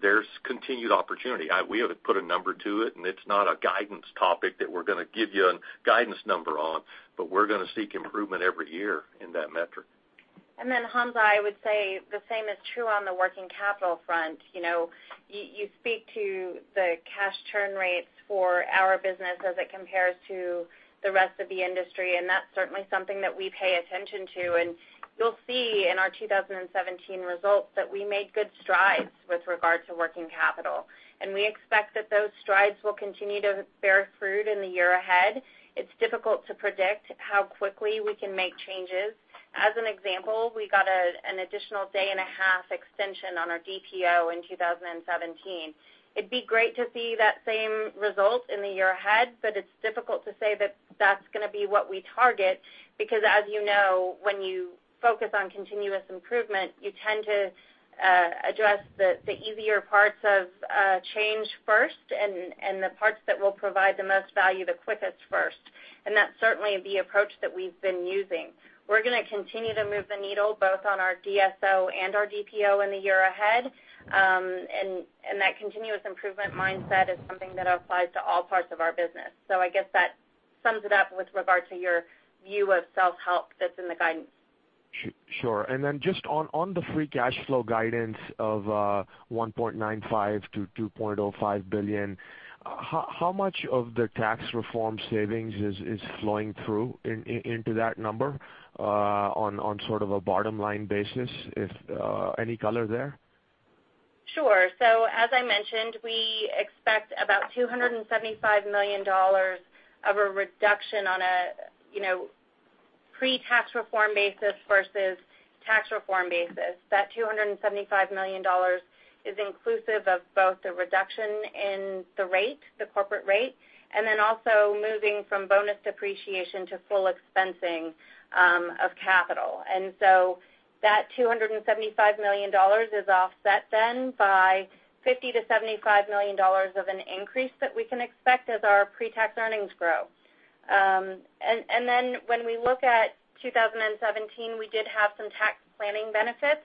There's continued opportunity. We ought to put a number to it, and it's not a guidance topic that we're going to give you a guidance number on, but we're going to seek improvement every year in that metric. Hamzah, I would say the same is true on the working capital front. You speak to the cash churn rates for our business as it compares to the rest of the industry, and that is certainly something that we pay attention to. You will see in our 2017 results that we made good strides with regard to working capital, and we expect that those strides will continue to bear fruit in the year ahead. It is difficult to predict how quickly we can make changes. As an example, we got an additional day and a half extension on our DPO in 2017. It would be great to see that same result in the year ahead, but it is difficult to say that that is going to be what we target, because as you know, when you focus on continuous improvement, you tend to address the easier parts of change first and the parts that will provide the most value the quickest first. That is certainly the approach that we have been using. We are going to continue to move the needle both on our DSO and our DPO in the year ahead. That continuous improvement mindset is something that applies to all parts of our business. I guess that sums it up with regard to your view of self-help that is in the guidance. Sure. Just on the free cash flow guidance of $1.95 billion-$2.05 billion, how much of the tax reform savings is flowing through into that number on sort of a bottom line basis? Any color there? Sure. As I mentioned, we expect about $275 million of a reduction on a pre-tax reform basis versus tax reform basis. That $275 million is inclusive of both the reduction in the corporate rate, and then also moving from bonus depreciation to full expensing of capital. That $275 million is offset by $50 million-$75 million of an increase that we can expect as our pre-tax earnings grow. When we look at 2017, we did have some tax planning benefits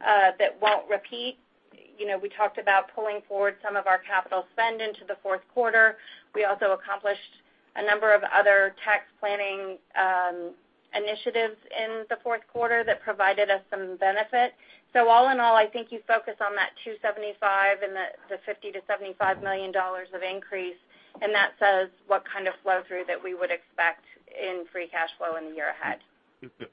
that will not repeat. We talked about pulling forward some of our capital spend into the fourth quarter. We also accomplished a number of other tax planning initiatives in the fourth quarter that provided us some benefit. All in all, I think you focus on that $275 million and the $50 million-$75 million of increase, and that says what kind of flow-through that we would expect in free cash flow in the year ahead.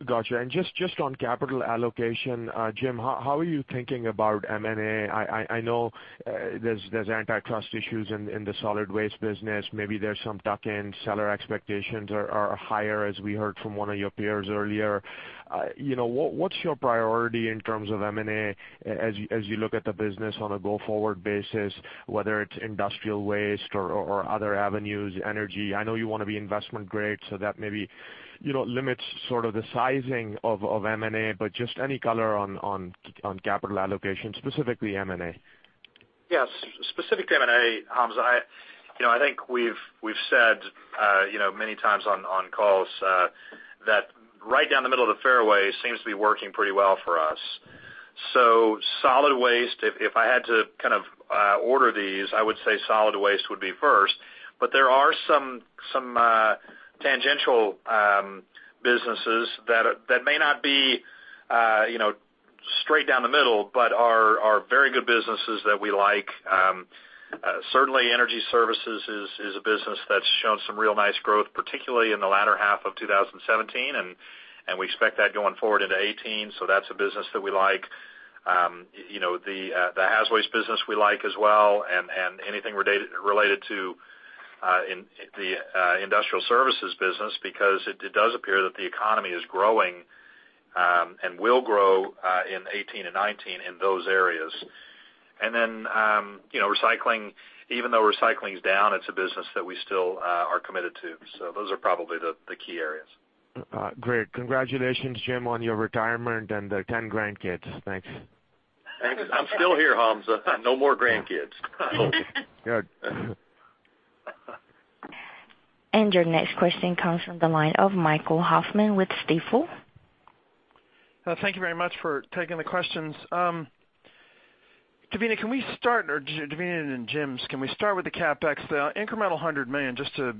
Got you. Just on capital allocation, Jim, how are you thinking about M&A? I know there's antitrust issues in the solid waste business. Maybe there's some tuck-in, seller expectations are higher, as we heard from one of your peers earlier. What's your priority in terms of M&A as you look at the business on a go-forward basis, whether it's industrial waste or other avenues, energy? I know you want to be investment grade, so that maybe limits sort of the sizing of M&A. Just any color on capital allocation, specifically M&A. Yes. Specific to M&A, Hamzah, I think we've said many times on calls that right down the middle of the fairway seems to be working pretty well for us. Solid waste, if I had to kind of order these, I would say solid waste would be first. There are some tangential businesses that may not be straight down the middle, but are very good businesses that we like. Certainly Energy Services is a business that's shown some real nice growth, particularly in the latter half of 2017, and we expect that going forward into 2018. That's a business that we like. The haz waste business we like as well, and anything related to the Industrial Services business, because it does appear that the economy is growing and will grow in 2018 and 2019 in those areas. Even though recycling is down, it's a business that we still are committed to. Those are probably the key areas. Great. Congratulations, Jim, on your retirement and the 10 grandkids. Thanks. Thanks. I'm still here, Hamzah. No more grandkids. Good. Your next question comes from the line of Michael Hoffman with Stifel. Thank you very much for taking the questions. Devina and Jim, can we start with the CapEx, the incremental $100 million, just to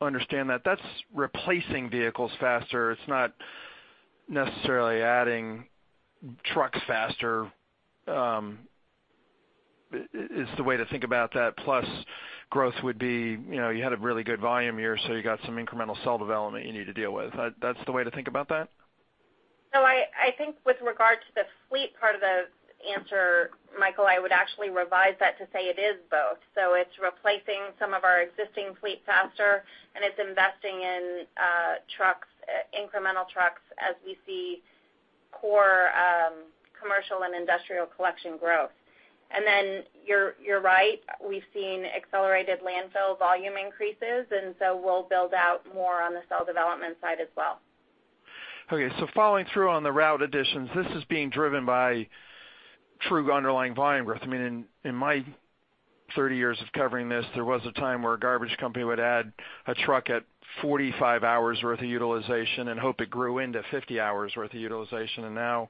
understand that. That's replacing vehicles faster, it's not necessarily adding trucks faster, is the way to think about that, plus growth would be, you had a really good volume here, so you got some incremental cell development you need to deal with. That's the way to think about that? I think with regard to the fleet part of the answer, Michael, I would actually revise that to say it is both. It's replacing some of our existing fleet faster, and it's investing in trucks, incremental trucks, as we see core commercial and industrial collection growth. You're right, we've seen accelerated landfill volume increases, we'll build out more on the cell development side as well. Following through on the route additions, this is being driven by true underlying volume growth. In my 30 years of covering this, there was a time where a garbage company would add a truck at 45 hours worth of utilization and hope it grew into 50 hours worth of utilization. Now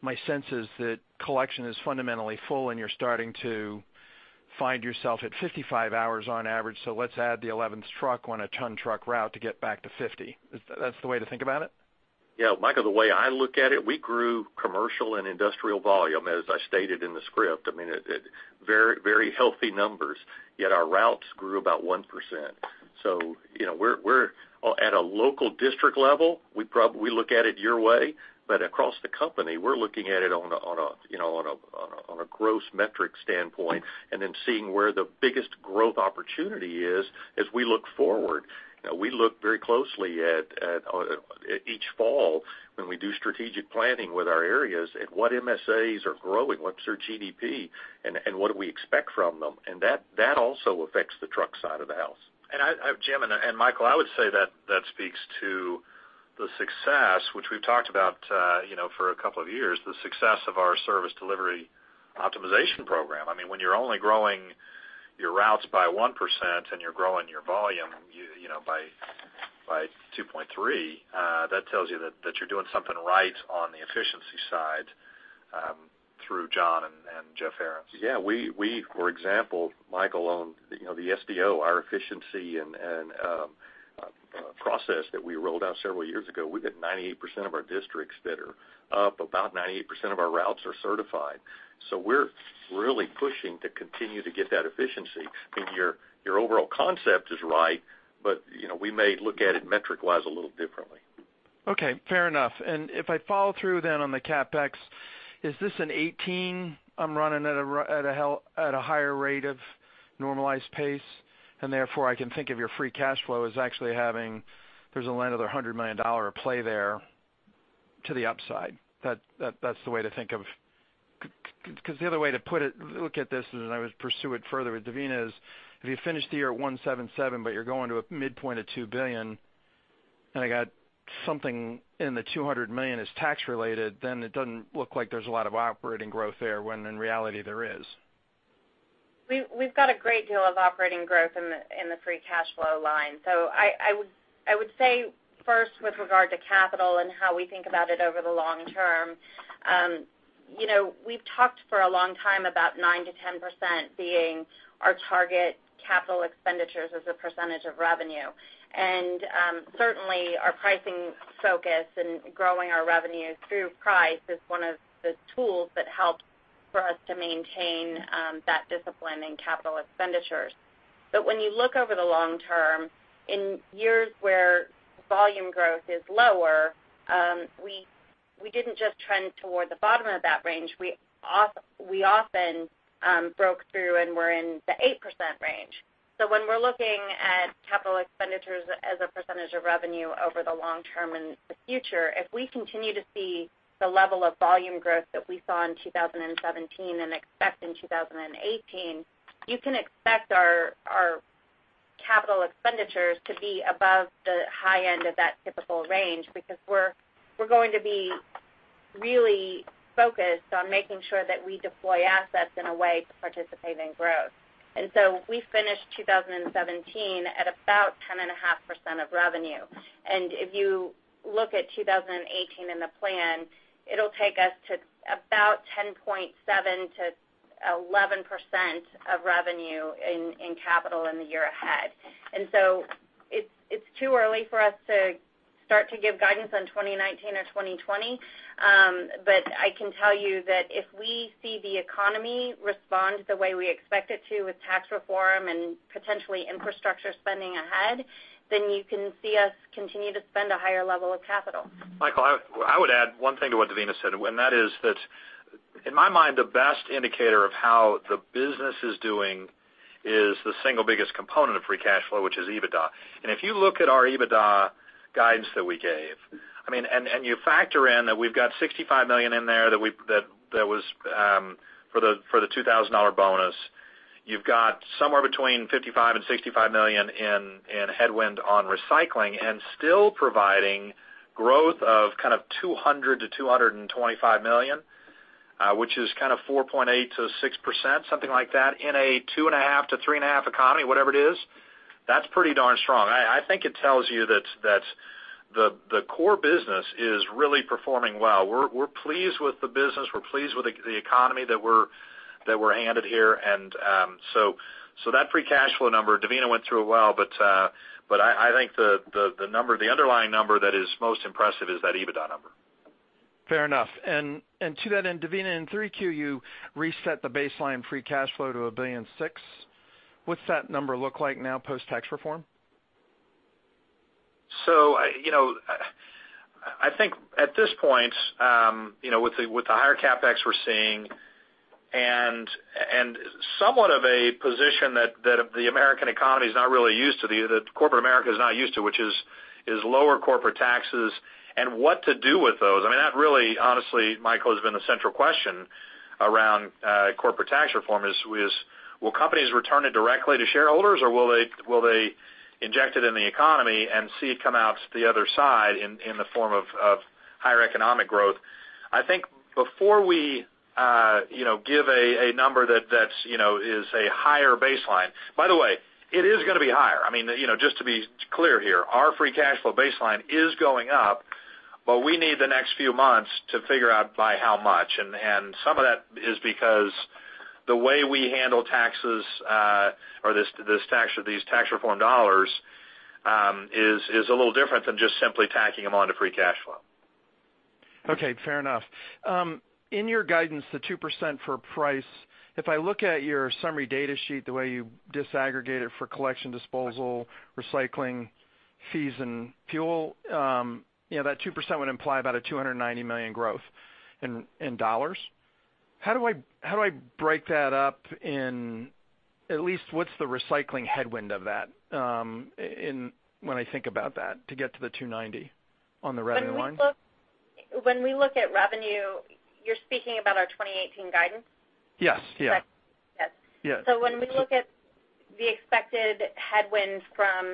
my sense is that collection is fundamentally full, and you're starting to find yourself at 55 hours on average, let's add the 11th truck on a ton truck route to get back to 50. That's the way to think about it? Michael, the way I look at it, we grew commercial and industrial volume, as I stated in the script. Very healthy numbers, yet our routes grew about 1%. At a local district level, we look at it your way, but across the company, we're looking at it on a gross metric standpoint, seeing where the biggest growth opportunity is as we look forward. We look very closely at each fall when we do strategic planning with our areas at what MSAs are growing, what's their GDP, and what do we expect from them. That also affects the truck side of the house. Jim and Michael, I would say that speaks to the success, which we've talked about for a couple of years, the success of our service delivery optimization program. When you're only growing your routes by 1% and you're growing your volume by 2.3%, that tells you that you're doing something right on the efficiency side through John and Jeff Ahrens. Yeah. For example, Michael, on the SDO, our efficiency and process that we rolled out several years ago, we've got 98% of our districts that are up. About 98% of our routes are certified. We're really pushing to continue to get that efficiency. Your overall concept is right, but we may look at it metric-wise a little differently. Okay, fair enough. If I follow through then on the CapEx, is this a 2018 I'm running at a higher rate of normalized pace, and therefore I can think of your free cash flow as actually having, there's another $100 million play there to the upside. That's the way to think of. The other way to look at this, and then I would pursue it further with Devina is, if you finish the year at $1.77 billion, but you're going to a midpoint of $2 billion, and I got something in the $200 million is tax related, then it doesn't look like there's a lot of operating growth there, when in reality there is. We've got a great deal of operating growth in the free cash flow line. I would say first with regard to capital and how we think about it over the long term, we've talked for a long time about 9%-10% being our target capital expenditures as a percentage of revenue. Certainly, our pricing focus and growing our revenues through price is one of the tools that helps for us to maintain that discipline in capital expenditures. When you look over the long term, in years where volume growth is lower, we didn't just trend toward the bottom of that range. We often broke through and were in the 8% range. When we're looking at capital expenditures as a percentage of revenue over the long term in the future, if we continue to see the level of volume growth that we saw in 2017 and expect in 2018, you can expect our capital expenditures to be above the high end of that typical range because we're going to be really focused on making sure that we deploy assets in a way to participate in growth. We finished 2017 at about 10.5% of revenue. If you look at 2018 in the plan, it'll take us to about 10.7%-11% of revenue in capital in the year ahead. It's too early for us to start to give guidance on 2019 or 2020. I can tell you that if we see the economy respond the way we expect it to with tax reform and potentially infrastructure spending ahead, you can see us continue to spend a higher level of capital. Michael, I would add one thing to what Devina said, and that is that in my mind, the best indicator of how the business is doing is the single biggest component of free cash flow, which is EBITDA. If you look at our EBITDA guidance that we gave, and you factor in that we've got $65 million in there that was for the $2,000 bonus, you've got somewhere between $55 million-$65 million in headwind on recycling and still providing growth of kind of $200 million-$225 million. Which is kind of 4.8%-6%, something like that, in a two and a half to three and a half economy, whatever it is, that's pretty darn strong. I think it tells you that the core business is really performing well. We're pleased with the business. We're pleased with the economy that we're handed here. That free cash flow number, Devina went through it well, but I think the underlying number that is most impressive is that EBITDA number. Fair enough. To that end, Devina, in Q3, you reset the baseline free cash flow to $1.6 billion. What's that number look like now post-tax reform? I think at this point, with the higher CapEx we're seeing and somewhat of a position that the American economy's not really used to, that corporate America is not used to, which is lower corporate taxes and what to do with those. I mean, that really, honestly, Michael, has been the central question around corporate tax reform is will companies return it directly to shareholders or will they inject it in the economy and see it come out the other side in the form of higher economic growth? I think before we give a number that is a higher baseline. By the way, it is going to be higher. Just to be clear here, our free cash flow baseline is going up, but we need the next few months to figure out by how much. Some of that is because the way we handle taxes or these tax reform dollars is a little different than just simply tacking them onto free cash flow. Okay, fair enough. In your guidance, the 2% for price, if I look at your summary data sheet, the way you disaggregate it for collection, disposal, recycling fees, and fuel, that 2% would imply about a $290 million growth in dollars. How do I break that up in, at least what's the recycling headwind of that when I think about that to get to the 290 on the revenue line? When we look at revenue, you're speaking about our 2018 guidance? Yes. Correct. Yes. When we look at the expected headwinds from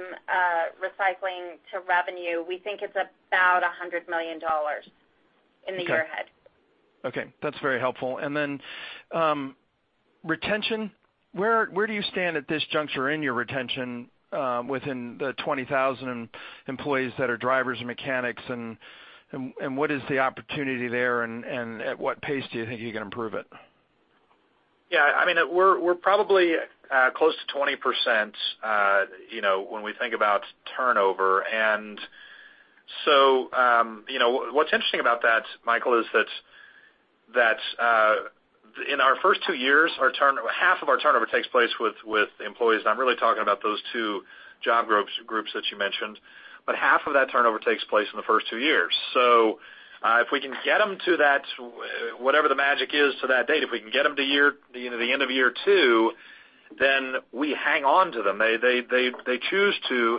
recycling to revenue, we think it's about $100 million in the year ahead. Okay. That's very helpful. Retention, where do you stand at this juncture in your retention within the 20,000 employees that are drivers and mechanics, and what is the opportunity there and at what pace do you think you can improve it? Yeah. We're probably close to 20% when we think about turnover. What's interesting about that, Michael, is that in our first two years, half of our turnover takes place with employees, I'm really talking about those two job groups that you mentioned, but half of that turnover takes place in the first two years. If we can get them to that, whatever the magic is to that date, if we can get them to the end of year two, then we hang on to them. They choose to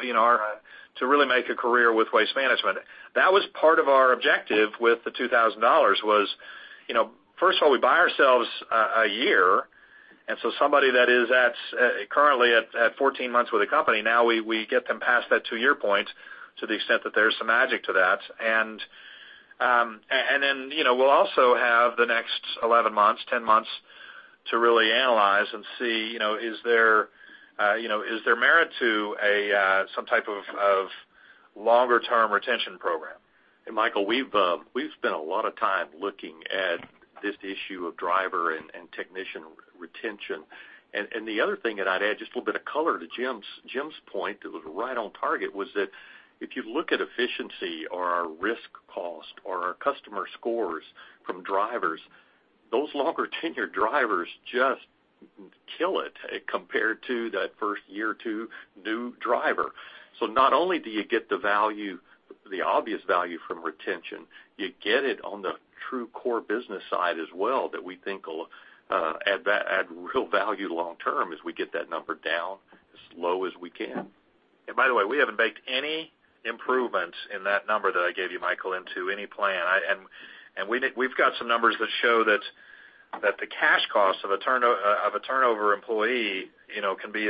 really make a career with Waste Management. That was part of our objective with the $2,000 was first of all, we buy ourselves a year. Somebody that is currently at 14 months with the company, now we get them past that two-year point to the extent that there's some magic to that. We'll also have the next 11 months, 10 months to really analyze and see, is there merit to some type of longer-term retention program? Michael, we've spent a lot of time looking at this issue of driver and technician retention. The other thing that I'd add, just a little bit of color to Jim's point that was right on target, was that if you look at efficiency or our risk cost or our customer scores from drivers, those longer-tenured drivers just kill it compared to that first year or two new driver. Not only do you get the obvious value from retention, you get it on the true core business side as well, that we think will add real value long term as we get that number down as low as we can. By the way, we haven't baked any improvements in that number that I gave you, Michael, into any plan. We've got some numbers that show that the cash cost of a turnover employee can be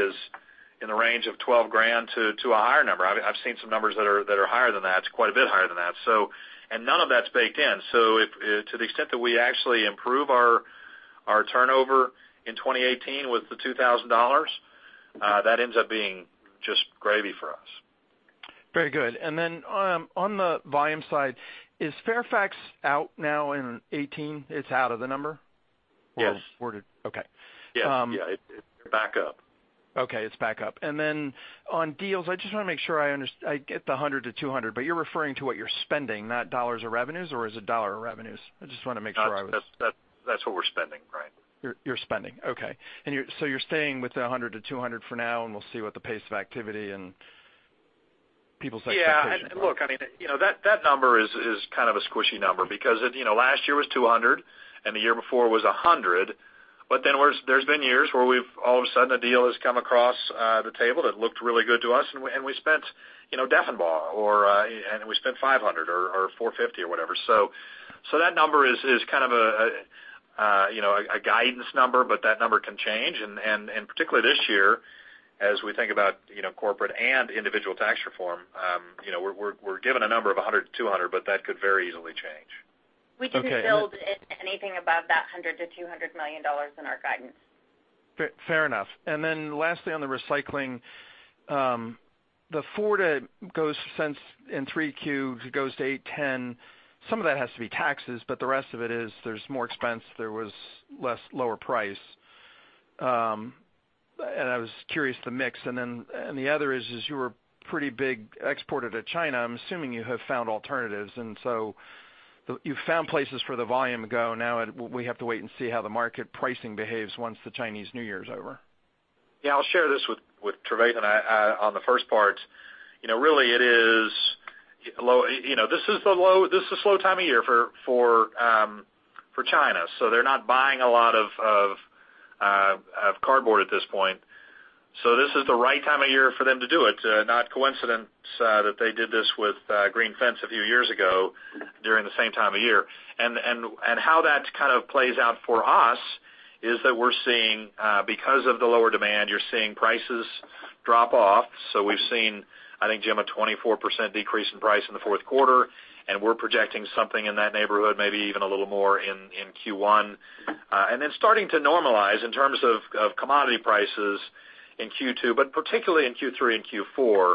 in the range of $12,000 to a higher number. I've seen some numbers that are higher than that, quite a bit higher than that. None of that's baked in. To the extent that we actually improve our turnover in 2018 with the $2,000, that ends up being just gravy for us. Very good. Then on the volume side, is Fairfax out now in 2018? It's out of the number? Yes. Okay. Yeah. It's back up. Okay. It's back up. On deals, I just want to make sure I get the $100 to $200, you're referring to what you're spending, not dollars of revenues, or is it dollar of revenues? I just want to make sure I was. That's what we're spending. Right. You're spending. Okay. You're staying with the $100 to $200 for now, we'll see what the pace of activity and people's expectations are. Yeah. Look, that number is kind of a squishy number because last year was $200 and the year before was $100, there's been years where all of a sudden a deal has come across the table that looked really good to us and we spent Deffenbaugh, and we spent $500 or $450 or whatever. That number is kind of a guidance number, but that number can change. Particularly this year as we think about corporate and individual tax reform, we're given a number of $100 to $200, but that could very easily change. We didn't build anything above that $100 million-$200 million in our guidance. Fair enough. Lastly, on the recycling, the $0.04 in 3Q goes to $0.08, $0.10. Some of that has to be taxes, the rest of it is there's more expense, there was lower price. I was curious, the mix. The other is, you were a pretty big exporter to China. I'm assuming you have found alternatives, you've found places for the volume to go now, we have to wait and see how the market pricing behaves once the Chinese New Year is over. Yeah, I'll share this with Trevathan on the first part. Really, this is a slow time of year for China, they're not buying a lot of cardboard at this point. This is the right time of year for them to do it. Not coincidence that they did this with Green Fence a few years ago during the same time of year. How that kind of plays out for us is that we're seeing, because of the lower demand, you're seeing prices drop off. We've seen, I think, Jim, a 24% decrease in price in the fourth quarter, we're projecting something in that neighborhood, maybe even a little more in Q1. Then starting to normalize in terms of commodity prices in Q2, particularly in Q3 and Q4.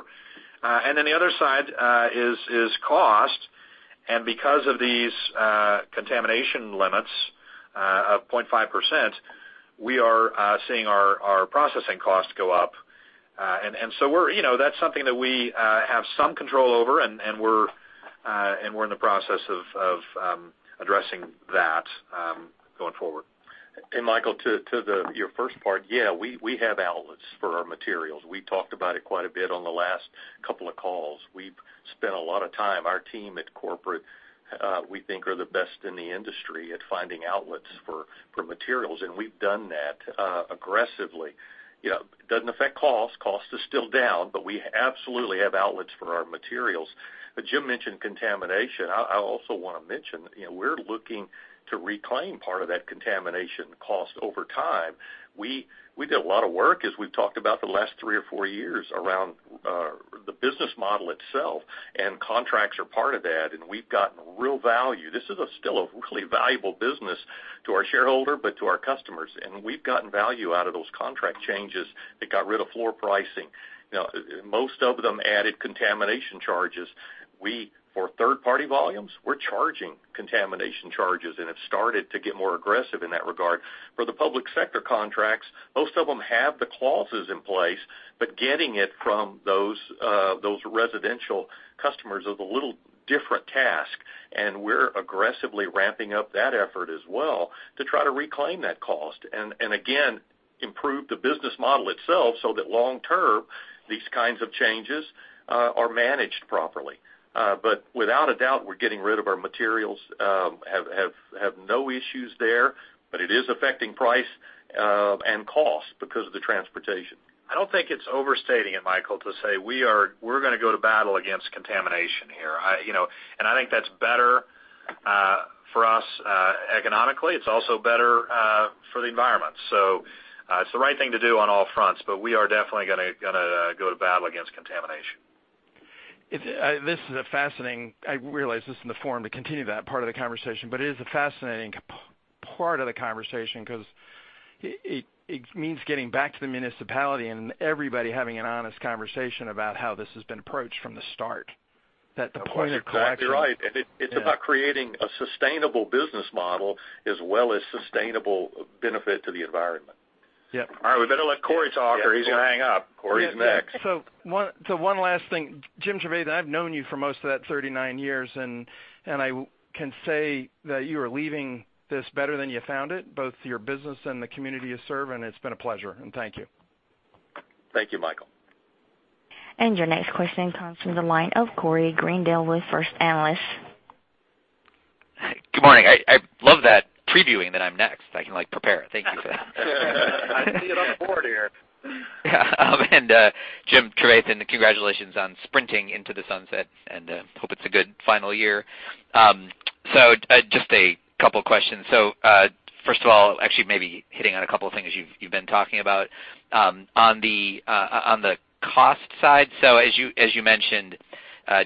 The other side is cost. Because of these contamination limits of 0.5%, we are seeing our processing costs go up. That's something that we have some control over, we're in the process of addressing that going forward. Michael, to your first part, yeah, we have outlets for our materials. We talked about it quite a bit on the last couple of calls. We've spent a lot of time. Our team at corporate, we think, are the best in the industry at finding outlets for materials, and we've done that aggressively. It doesn't affect cost. Cost is still down, but we absolutely have outlets for our materials. Jim mentioned contamination. I also want to mention, we're looking to reclaim part of that contamination cost over time. We did a lot of work, as we've talked about the last three or four years, around the business model itself, and contracts are part of that, and we've gotten real value. This is still a really valuable business to our shareholder, but to our customers, and we've gotten value out of those contract changes that got rid of floor pricing. Most of them added contamination charges. We, for third-party volumes, we're charging contamination charges and have started to get more aggressive in that regard. For the public sector contracts, most of them have the clauses in place, but getting it from those residential customers is a little different task, and we're aggressively ramping up that effort as well to try to reclaim that cost and again, improve the business model itself so that long term, these kinds of changes are managed properly. Without a doubt, we're getting rid of our materials, have no issues there, but it is affecting price and cost because of the transportation. I don't think it's overstating it, Michael, to say we're going to go to battle against contamination here. I think that's better for us economically. It's also better for the environment. It's the right thing to do on all fronts, but we are definitely going to go to battle against contamination. I realize this isn't the forum to continue that part of the conversation, but it is a fascinating part of the conversation because it means getting back to the municipality and everybody having an honest conversation about how this has been approached from the start, that the point of collection- That is exactly right. It is about creating a sustainable business model as well as sustainable benefit to the environment. Yeah. All right. We better let Corey Greendale talk, or he's going to hang up. Corey Greendale's next. One last thing. Jim, Trevathan, I've known you for most of that 39 years, and I can say that you are leaving this better than you found it, both your business and the community you serve, and it's been a pleasure. Thank you. Thank you, Michael. Your next question comes from the line of Corey Greendale with First Analysis. Good morning. I love that previewing that I'm next. I can prepare. Thank you for that. I see it on the board here. Yeah. Jim Trevathan, and congratulations on sprinting into the sunset, and hope it's a good final year. Just 2 questions. First of all, actually maybe hitting on a couple of things you've been talking about. On the cost side, as you mentioned,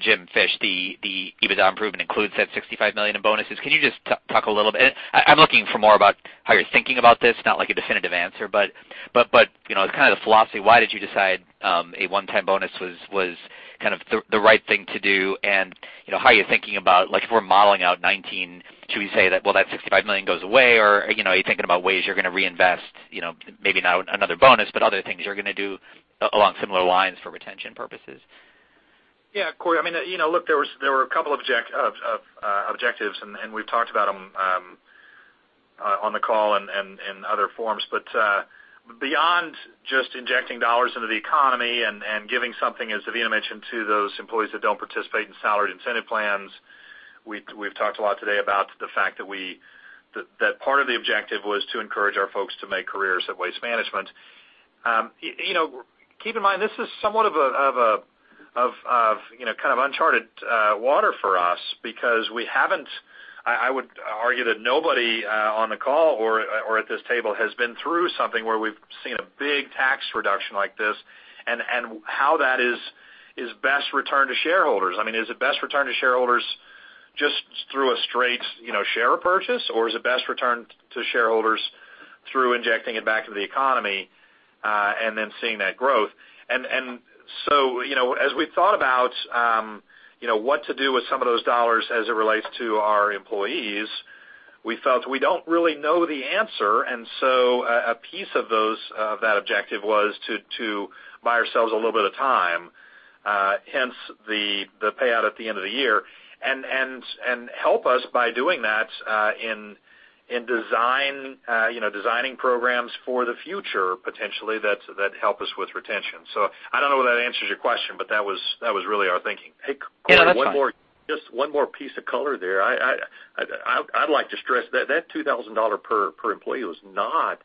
Jim Fish, the EBITDA improvement includes that $65 million in bonuses. Can you just talk a little bit I'm looking for more about how you're thinking about this, not like a definitive answer, but as kind of the philosophy, why did you decide a one-time bonus was kind of the right thing to do, and how are you thinking about, if we're modeling out 2019, should we say that, well, that $65 million goes away, or are you thinking about ways you're going to reinvest, maybe not another bonus, but other things you're going to do along similar lines for retention purposes? Yeah, Corey, look, there were 2 objectives, and we've talked about them on the call and other forums. Beyond just injecting dollars into the economy and giving something, as Devina mentioned, to those employees that don't participate in salaried incentive plans, we've talked a lot today about the fact that part of the objective was to encourage our folks to make careers at Waste Management. Keep in mind, this is somewhat of a kind of uncharted water for us because I would argue that nobody on the call or at this table has been through something where we've seen a big tax reduction like this, and how that is best returned to shareholders. Is the best return to shareholders just through a straight share purchase? Is the best return to shareholders through injecting it back into the economy, and then seeing that growth? As we thought about what to do with some of those dollars as it relates to our employees, we felt we don't really know the answer. A piece of that objective was to buy ourselves a little bit of time, hence the payout at the end of the year, and help us by doing that in designing programs for the future, potentially, that help us with retention. I don't know whether that answers your question, but that was really our thinking. Hey, Corey, just 1 more piece of color there. I'd like to stress that that $2,000 per employee was not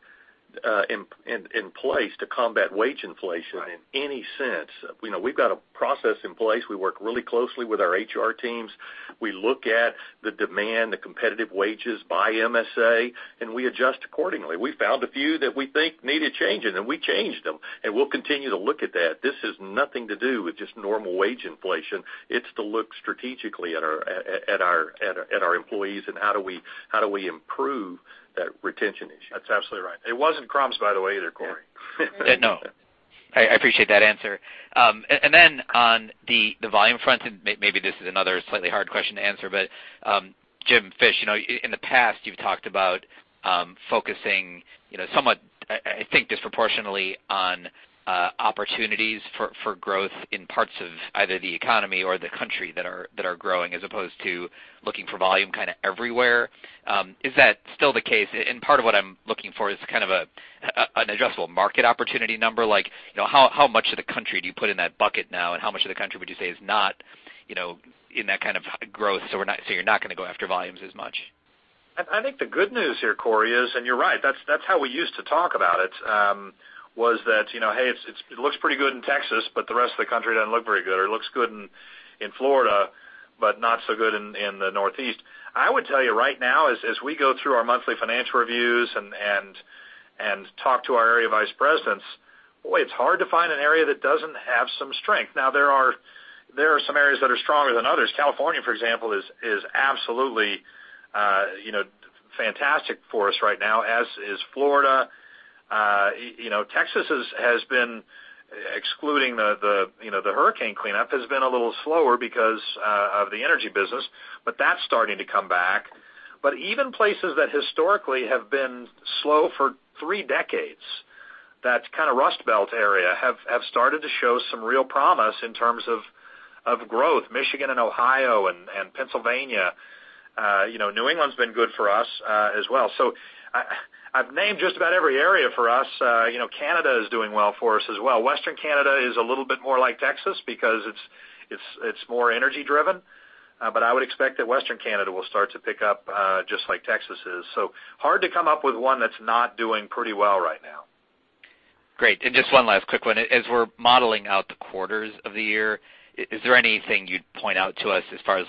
in place to combat wage inflation in any sense. We've got a process in place. We work really closely with our HR teams. We look at the demand, the competitive wages by MSA, we adjust accordingly. We found a few that we think needed changing, and we changed them. We'll continue to look at that. This has nothing to do with just normal wage inflation. It's to look strategically at our employees and how do we improve that retention issue. That's absolutely right. It wasn't crumbs, by the way, either, Corey. No. I appreciate that answer. Then on the volume front, maybe this is another slightly hard question to answer, Jim Fish, in the past you've talked about focusing somewhat, I think, disproportionately on opportunities for growth in parts of either the economy or the country that are growing as opposed to looking for volume kind of everywhere. Is that still the case? Part of what I'm looking for is kind of an adjustable market opportunity number, like how much of the country do you put in that bucket now, and how much of the country would you say is not in that kind of growth, so you're not going to go after volumes as much? I think the good news here, Corey, is, you're right, that's how we used to talk about it, was that, "Hey, it looks pretty good in Texas, the rest of the country doesn't look very good," or, "It looks good in Florida, not so good in the Northeast." I would tell you right now, as we go through our monthly financial reviews and talk to our area vice presidents, boy, it's hard to find an area that doesn't have some strength. There are some areas that are stronger than others. California, for example, is absolutely fantastic for us right now, as is Florida. Texas, excluding the hurricane cleanup, has been a little slower because of the energy business, that's starting to come back. Even places that historically have been slow for three decades, that kind of Rust Belt area, have started to show some real promise in terms of growth. Michigan and Ohio and Pennsylvania. New England's been good for us as well. I've named just about every area for us. Canada is doing well for us as well. Western Canada is a little bit more like Texas because it's more energy driven. I would expect that Western Canada will start to pick up just like Texas is. Hard to come up with one that's not doing pretty well right now. Great. Just one last quick one. As we're modeling out the quarters of the year, is there anything you'd point out to us as far as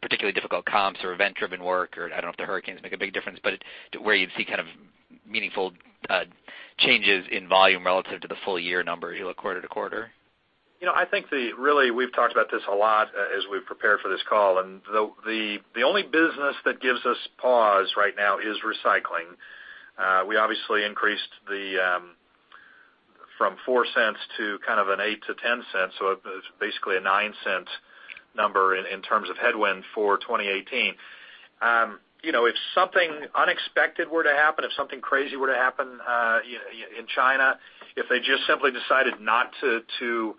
particularly difficult comps or event-driven work or, I don't know if the hurricanes make a big difference, but where you'd see kind of meaningful changes in volume relative to the full year number if you look quarter-to-quarter? I think that really we've talked about this a lot as we've prepared for this call. The only business that gives us pause right now is recycling. We obviously increased from $0.04 to kind of an $0.08-$0.10, so it's basically a $0.09 number in terms of headwind for 2018. If something unexpected were to happen, if something crazy were to happen in China, if they just simply decided not to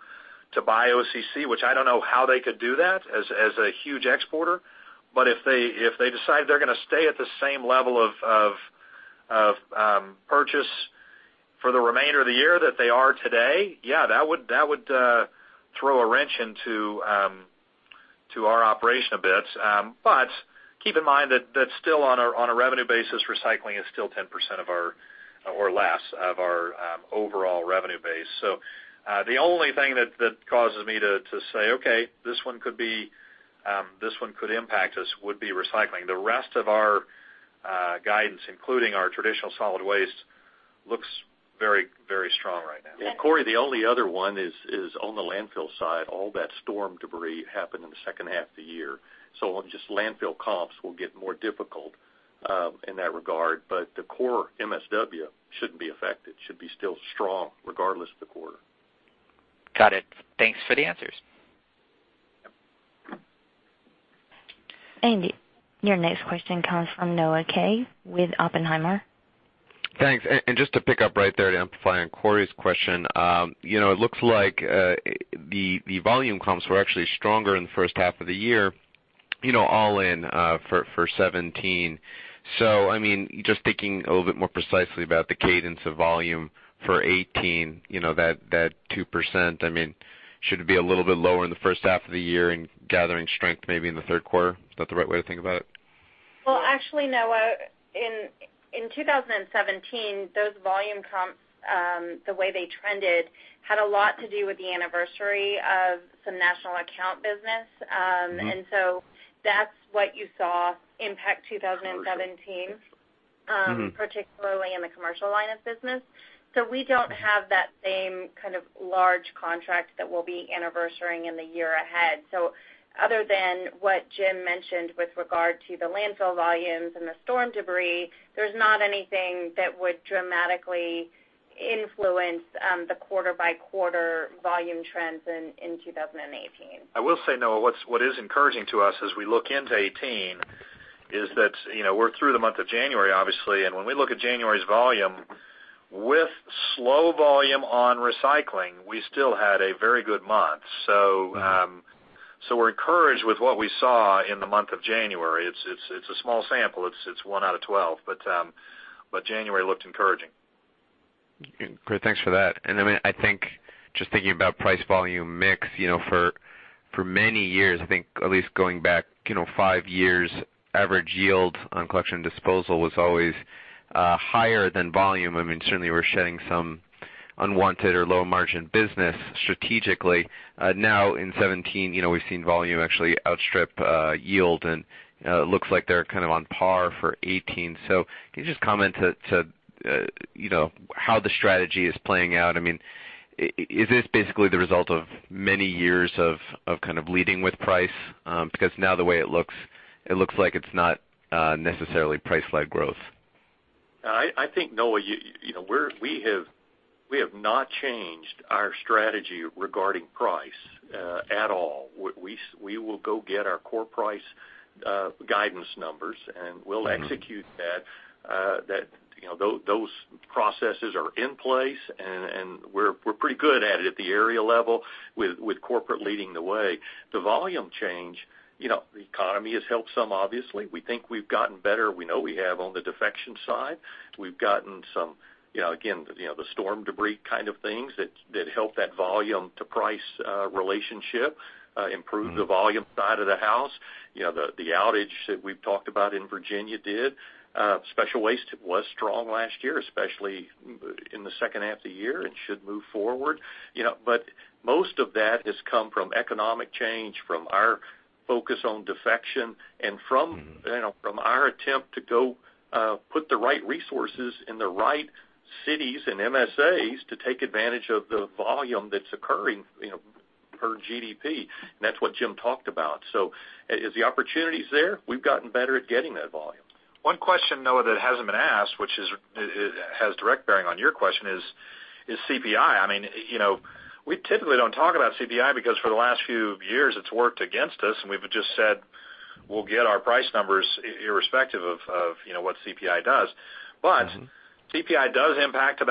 buy OCC, which I don't know how they could do that as a huge exporter, but if they decide they're going to stay at the same level of purchase for the remainder of the year that they are today, yeah, that would throw a wrench into our operation a bit. Keep in mind that still on a revenue basis, recycling is still 10% or less of our overall revenue base. The only thing that causes me to say, "Okay, this one could impact us," would be recycling. The rest of our guidance, including our traditional solid waste, looks very strong right now. Yeah. Corey, the only other one is on the landfill side, all that storm debris happened in the second half of the year. On just landfill comps will get more difficult in that regard. The core MSW shouldn't be affected, should be still strong regardless of the quarter. Got it. Thanks for the answers. Andy, your next question comes from Noah Kaye with Oppenheimer. Thanks. Just to pick up right there to amplify on Corey's question, it looks like the volume comps were actually stronger in the first half of the year all in for 2017. Just thinking a little bit more precisely about the cadence of volume for 2018, that 2%, should it be a little bit lower in the first half of the year and gathering strength maybe in the third quarter? Is that the right way to think about it? Well, actually, Noah, in 2017, those volume comps, the way they trended, had a lot to do with the anniversary of some national account business. That's what you saw impact 2017. Got you. Mm-hmm. Particularly in the commercial line of business. We don't have that same kind of large contract that will be anniversarying in the year ahead. Other than what Jim mentioned with regard to the landfill volumes and the storm debris, there's not anything that would dramatically influence the quarter-by-quarter volume trends in 2018. I will say, Noah, what is encouraging to us as we look into 2018 is that we're through the month of January, obviously, and when we look at January's volume, with slow volume on recycling, we still had a very good month. We're encouraged with what we saw in the month of January. It's a small sample. It's one out of 12, but January looked encouraging. Great. Thanks for that. I think, just thinking about price volume mix, for many years, I think at least going back five years, average yield on collection disposal was always higher than volume. Certainly, we're shedding some unwanted or low-margin business strategically. Now, in 2017, we've seen volume actually outstrip yield, and it looks like they're kind of on par for 2018. Can you just comment to how the strategy is playing out? Is this basically the result of many years of kind of leading with price? Now the way it looks, it looks like it's not necessarily price-led growth. I think, Noah, we have not changed our strategy regarding price at all. We will go get our core price guidance numbers, and we'll execute that. Those processes are in place, and we're pretty good at it at the area level with corporate leading the way. The volume change, the economy has helped some, obviously. We think we've gotten better. We know we have on the defection side. We've gotten some, again, the storm debris kind of things that help that volume to price relationship, improve the volume side of the house. The outage that we've talked about in Virginia did. Special waste was strong last year, especially in the second half of the year and should move forward. Most of that has come from economic change, from our focus on defection and from our attempt to go put the right resources in the right cities and MSAs to take advantage of the volume that's occurring per GDP, and that's what Jim talked about. As the opportunity's there, we've gotten better at getting that volume. One question, Noah, that hasn't been asked, which has direct bearing on your question is CPI. We typically don't talk about CPI because for the last few years, it's worked against us, and we've just said we'll get our price numbers irrespective of what CPI does. CPI does impact.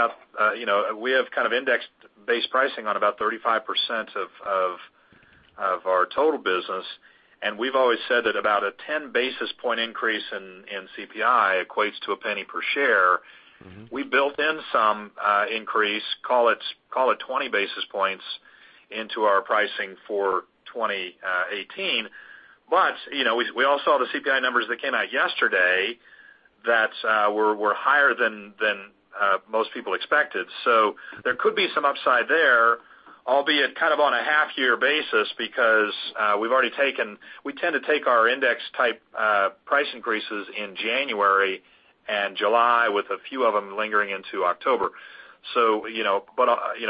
We have kind of indexed base pricing on about 35% of our total business, and we've always said that about a 10 basis point increase in CPI equates to a $0.01 per share. We built in some increase, call it 20 basis points into our pricing for 2018. We all saw the CPI numbers that came out yesterday that were higher than most people expected. There could be some upside there, albeit kind of on a half-year basis, because we've already taken. We tend to take our index-type price increases in January and July, with a few of them lingering into October.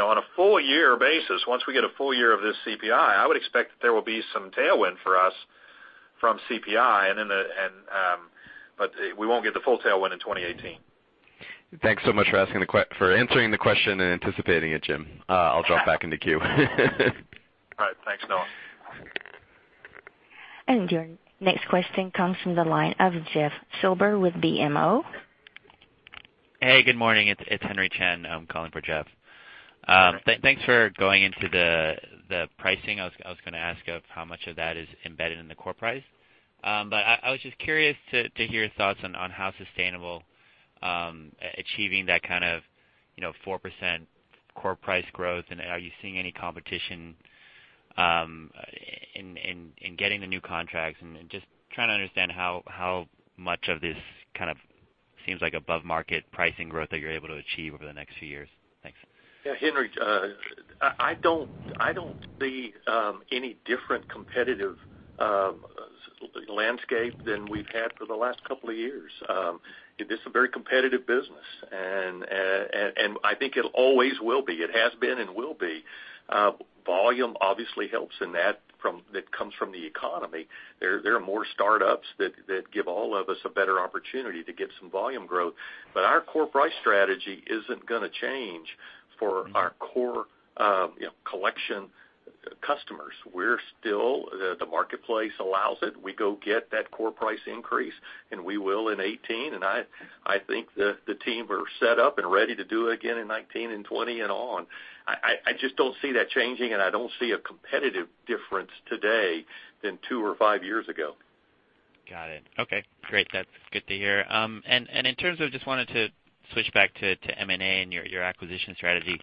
On a full year basis, once we get a full year of this CPI, I would expect that there will be some tailwind for us from CPI, but we won't get the full tailwind in 2018. Thanks so much for answering the question and anticipating it, Jim. I'll drop back in the queue. All right. Thanks, Noah. Your next question comes from the line of Jeff Silber with BMO. Hey, good morning. It's Henry Chien. I'm calling for Jeff. All right. Thanks for going into the pricing. I was going to ask of how much of that is embedded in the core price. I was just curious to hear your thoughts on how sustainable achieving that kind of 4% core price growth. Are you seeing any competition in getting the new contracts, and just trying to understand how much of this kind of seems like above-market pricing growth that you're able to achieve over the next few years. Thanks. Yeah, Henry, I don't see any different competitive landscape than we've had for the last couple of years. This is a very competitive business, and I think it always will be. It has been and will be. Volume obviously helps in that comes from the economy. There are more startups that give all of us a better opportunity to get some volume growth. Our core price strategy isn't going to change for our core collection customers. The marketplace allows it. We go get that core price increase, and we will in 2018. I think the team are set up and ready to do it again in 2019 and 2020 and on. I just don't see that changing, I don't see a competitive difference today than two or five years ago. Got it. Okay, great. That's good to hear. In terms of, just wanted to switch back to M&A and your acquisition strategy.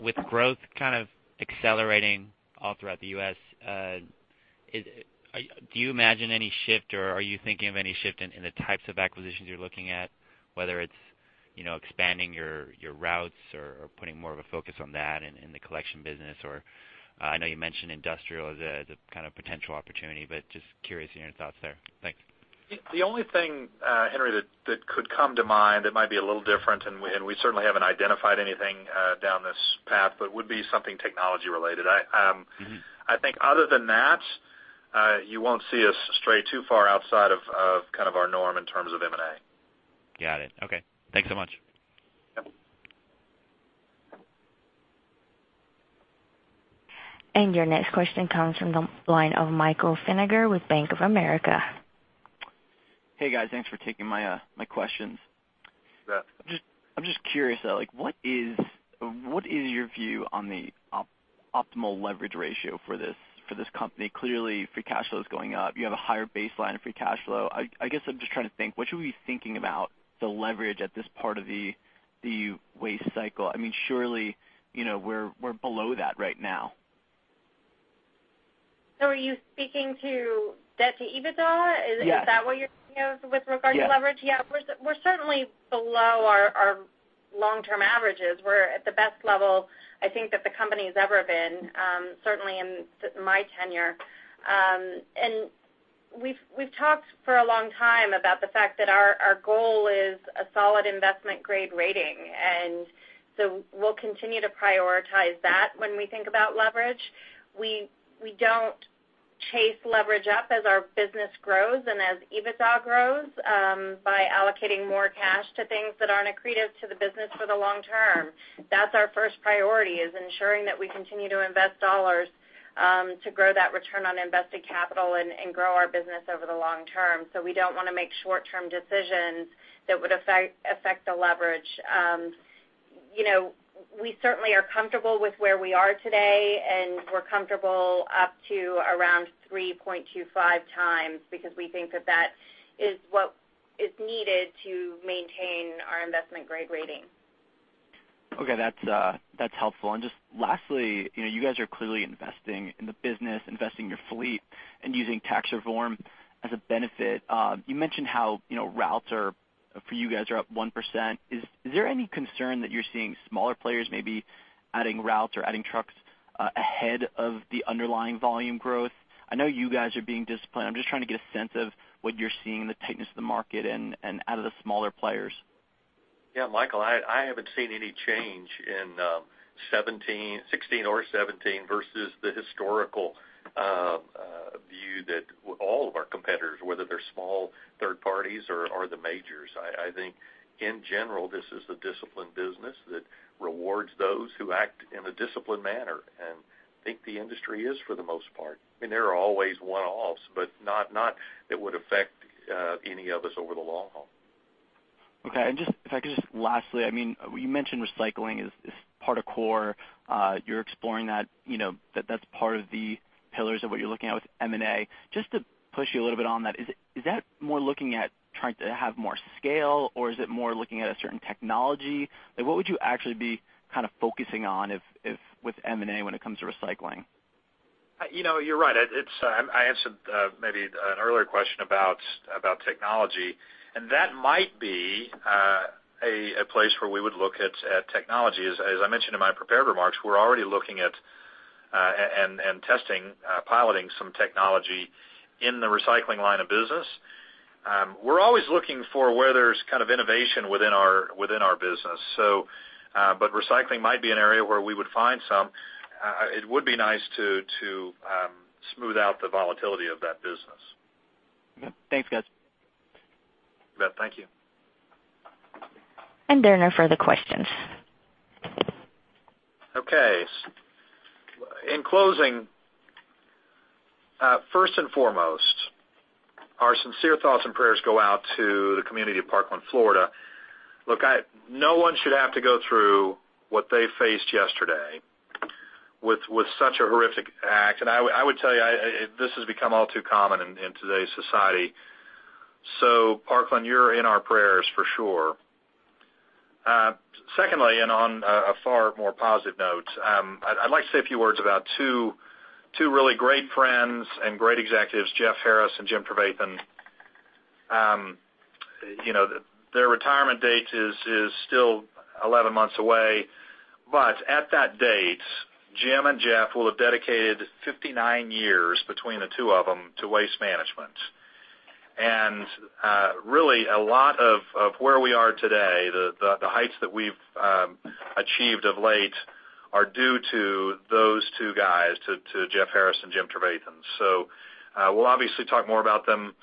With growth kind of accelerating all throughout the U.S. Do you imagine any shift, or are you thinking of any shift in the types of acquisitions you're looking at, whether it's expanding your routes or putting more of a focus on that in the collection business? I know you mentioned industrial as a kind of potential opportunity, but just curious to hear your thoughts there. Thanks. The only thing, Henry, that could come to mind that might be a little different, and we certainly haven't identified anything down this path, but it would be something technology-related. I think other than that, you won't see us stray too far outside of our norm in terms of M&A. Got it. Okay. Thanks so much. Yep. Your next question comes from the line of Michael Feniger with Bank of America. Hey, guys. Thanks for taking my questions. Yeah. I'm just curious, what is your view on the optimal leverage ratio for this company? Clearly, free cash flow is going up. You have a higher baseline of free cash flow. I guess I'm just trying to think, what should we be thinking about the leverage at this part of the waste cycle? Surely, we're below that right now. Are you speaking to debt to EBITDA? Yeah. Is that what you're thinking of with regards to leverage? Yeah. Yeah. We're certainly below our long-term averages. We're at the best level I think that the company's ever been, certainly in my tenure. We've talked for a long time about the fact that our goal is a solid investment-grade rating, so we'll continue to prioritize that when we think about leverage. We don't chase leverage up as our business grows and as EBITDA grows by allocating more cash to things that aren't accretive to the business for the long term. That's our first priority, is ensuring that we continue to invest dollars to grow that return on invested capital and grow our business over the long term. We don't want to make short-term decisions that would affect the leverage. We certainly are comfortable with where we are today, and we're comfortable up to around 3.25 times because we think that that is what is needed to maintain our investment-grade rating. Okay. That's helpful. Just lastly, you guys are clearly investing in the business, investing in your fleet and using tax reform as a benefit. You mentioned how routes for you guys are up 1%. Is there any concern that you're seeing smaller players maybe adding routes or adding trucks ahead of the underlying volume growth? I know you guys are being disciplined. I'm just trying to get a sense of what you're seeing in the tightness of the market and out of the smaller players. Yeah, Michael, I haven't seen any change in 2016 or 2017 versus the historical view that all of our competitors, whether they're small third parties or the majors. I think in general, this is a disciplined business that rewards those who act in a disciplined manner and I think the industry is for the most part. There are always one-offs, but not that would affect any of us over the long haul. Okay. If I could just lastly, you mentioned recycling is part of core. You're exploring that. That's part of the pillars of what you're looking at with M&A. Just to push you a little bit on that, is that more looking at trying to have more scale, or is it more looking at a certain technology? What would you actually be kind of focusing on with M&A when it comes to recycling? You're right. I answered maybe an earlier question about technology, That might be a place where we would look at technology. As I mentioned in my prepared remarks, we're already looking at and testing, piloting some technology in the recycling line of business. We're always looking for where there's kind of innovation within our business. Recycling might be an area where we would find some. It would be nice to smooth out the volatility of that business. Okay. Thanks, guys. Yeah, thank you. There are no further questions. Okay. In closing, first and foremost, our sincere thoughts and prayers go out to the community of Parkland, Florida. Look, no one should have to go through what they faced yesterday with such a horrific act. I would tell you, this has become all too common in today's society. Parkland, you're in our prayers for sure. Secondly, on a far more positive note, I'd like to say a few words about two really great friends and great executives, Jeff Harris and Jim Trevathan. Their retirement date is still 11 months away. At that date, Jim and Jeff will have dedicated 59 years between the two of them to Waste Management. Really, a lot of where we are today, the heights that we've achieved of late are due to those two guys, to Jeff Harris and Jim Trevathan. We'll obviously talk more about them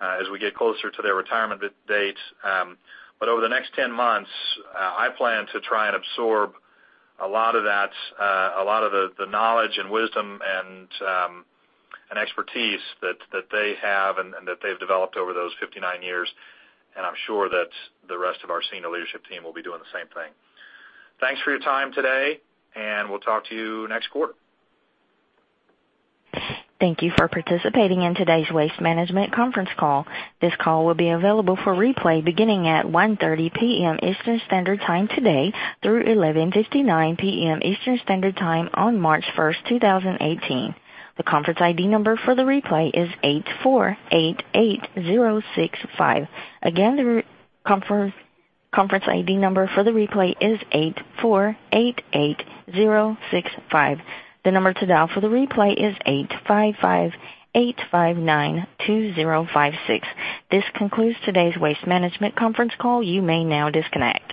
as we get closer to their retirement date. Over the next 10 months, I plan to try and absorb a lot of the knowledge and wisdom and expertise that they have and that they've developed over those 59 years. I'm sure that the rest of our senior leadership team will be doing the same thing. Thanks for your time today, we'll talk to you next quarter. Thank you for participating in today's Waste Management conference call. This call will be available for replay beginning at 1:30 P.M. Eastern Standard Time today through 11:59 P.M. Eastern Standard Time on March 1st, 2018. The conference ID number for the replay is 8488065. Again, the conference ID number for the replay is 8488065. The number to dial for the replay is 855-859-2056. This concludes today's Waste Management conference call. You may now disconnect.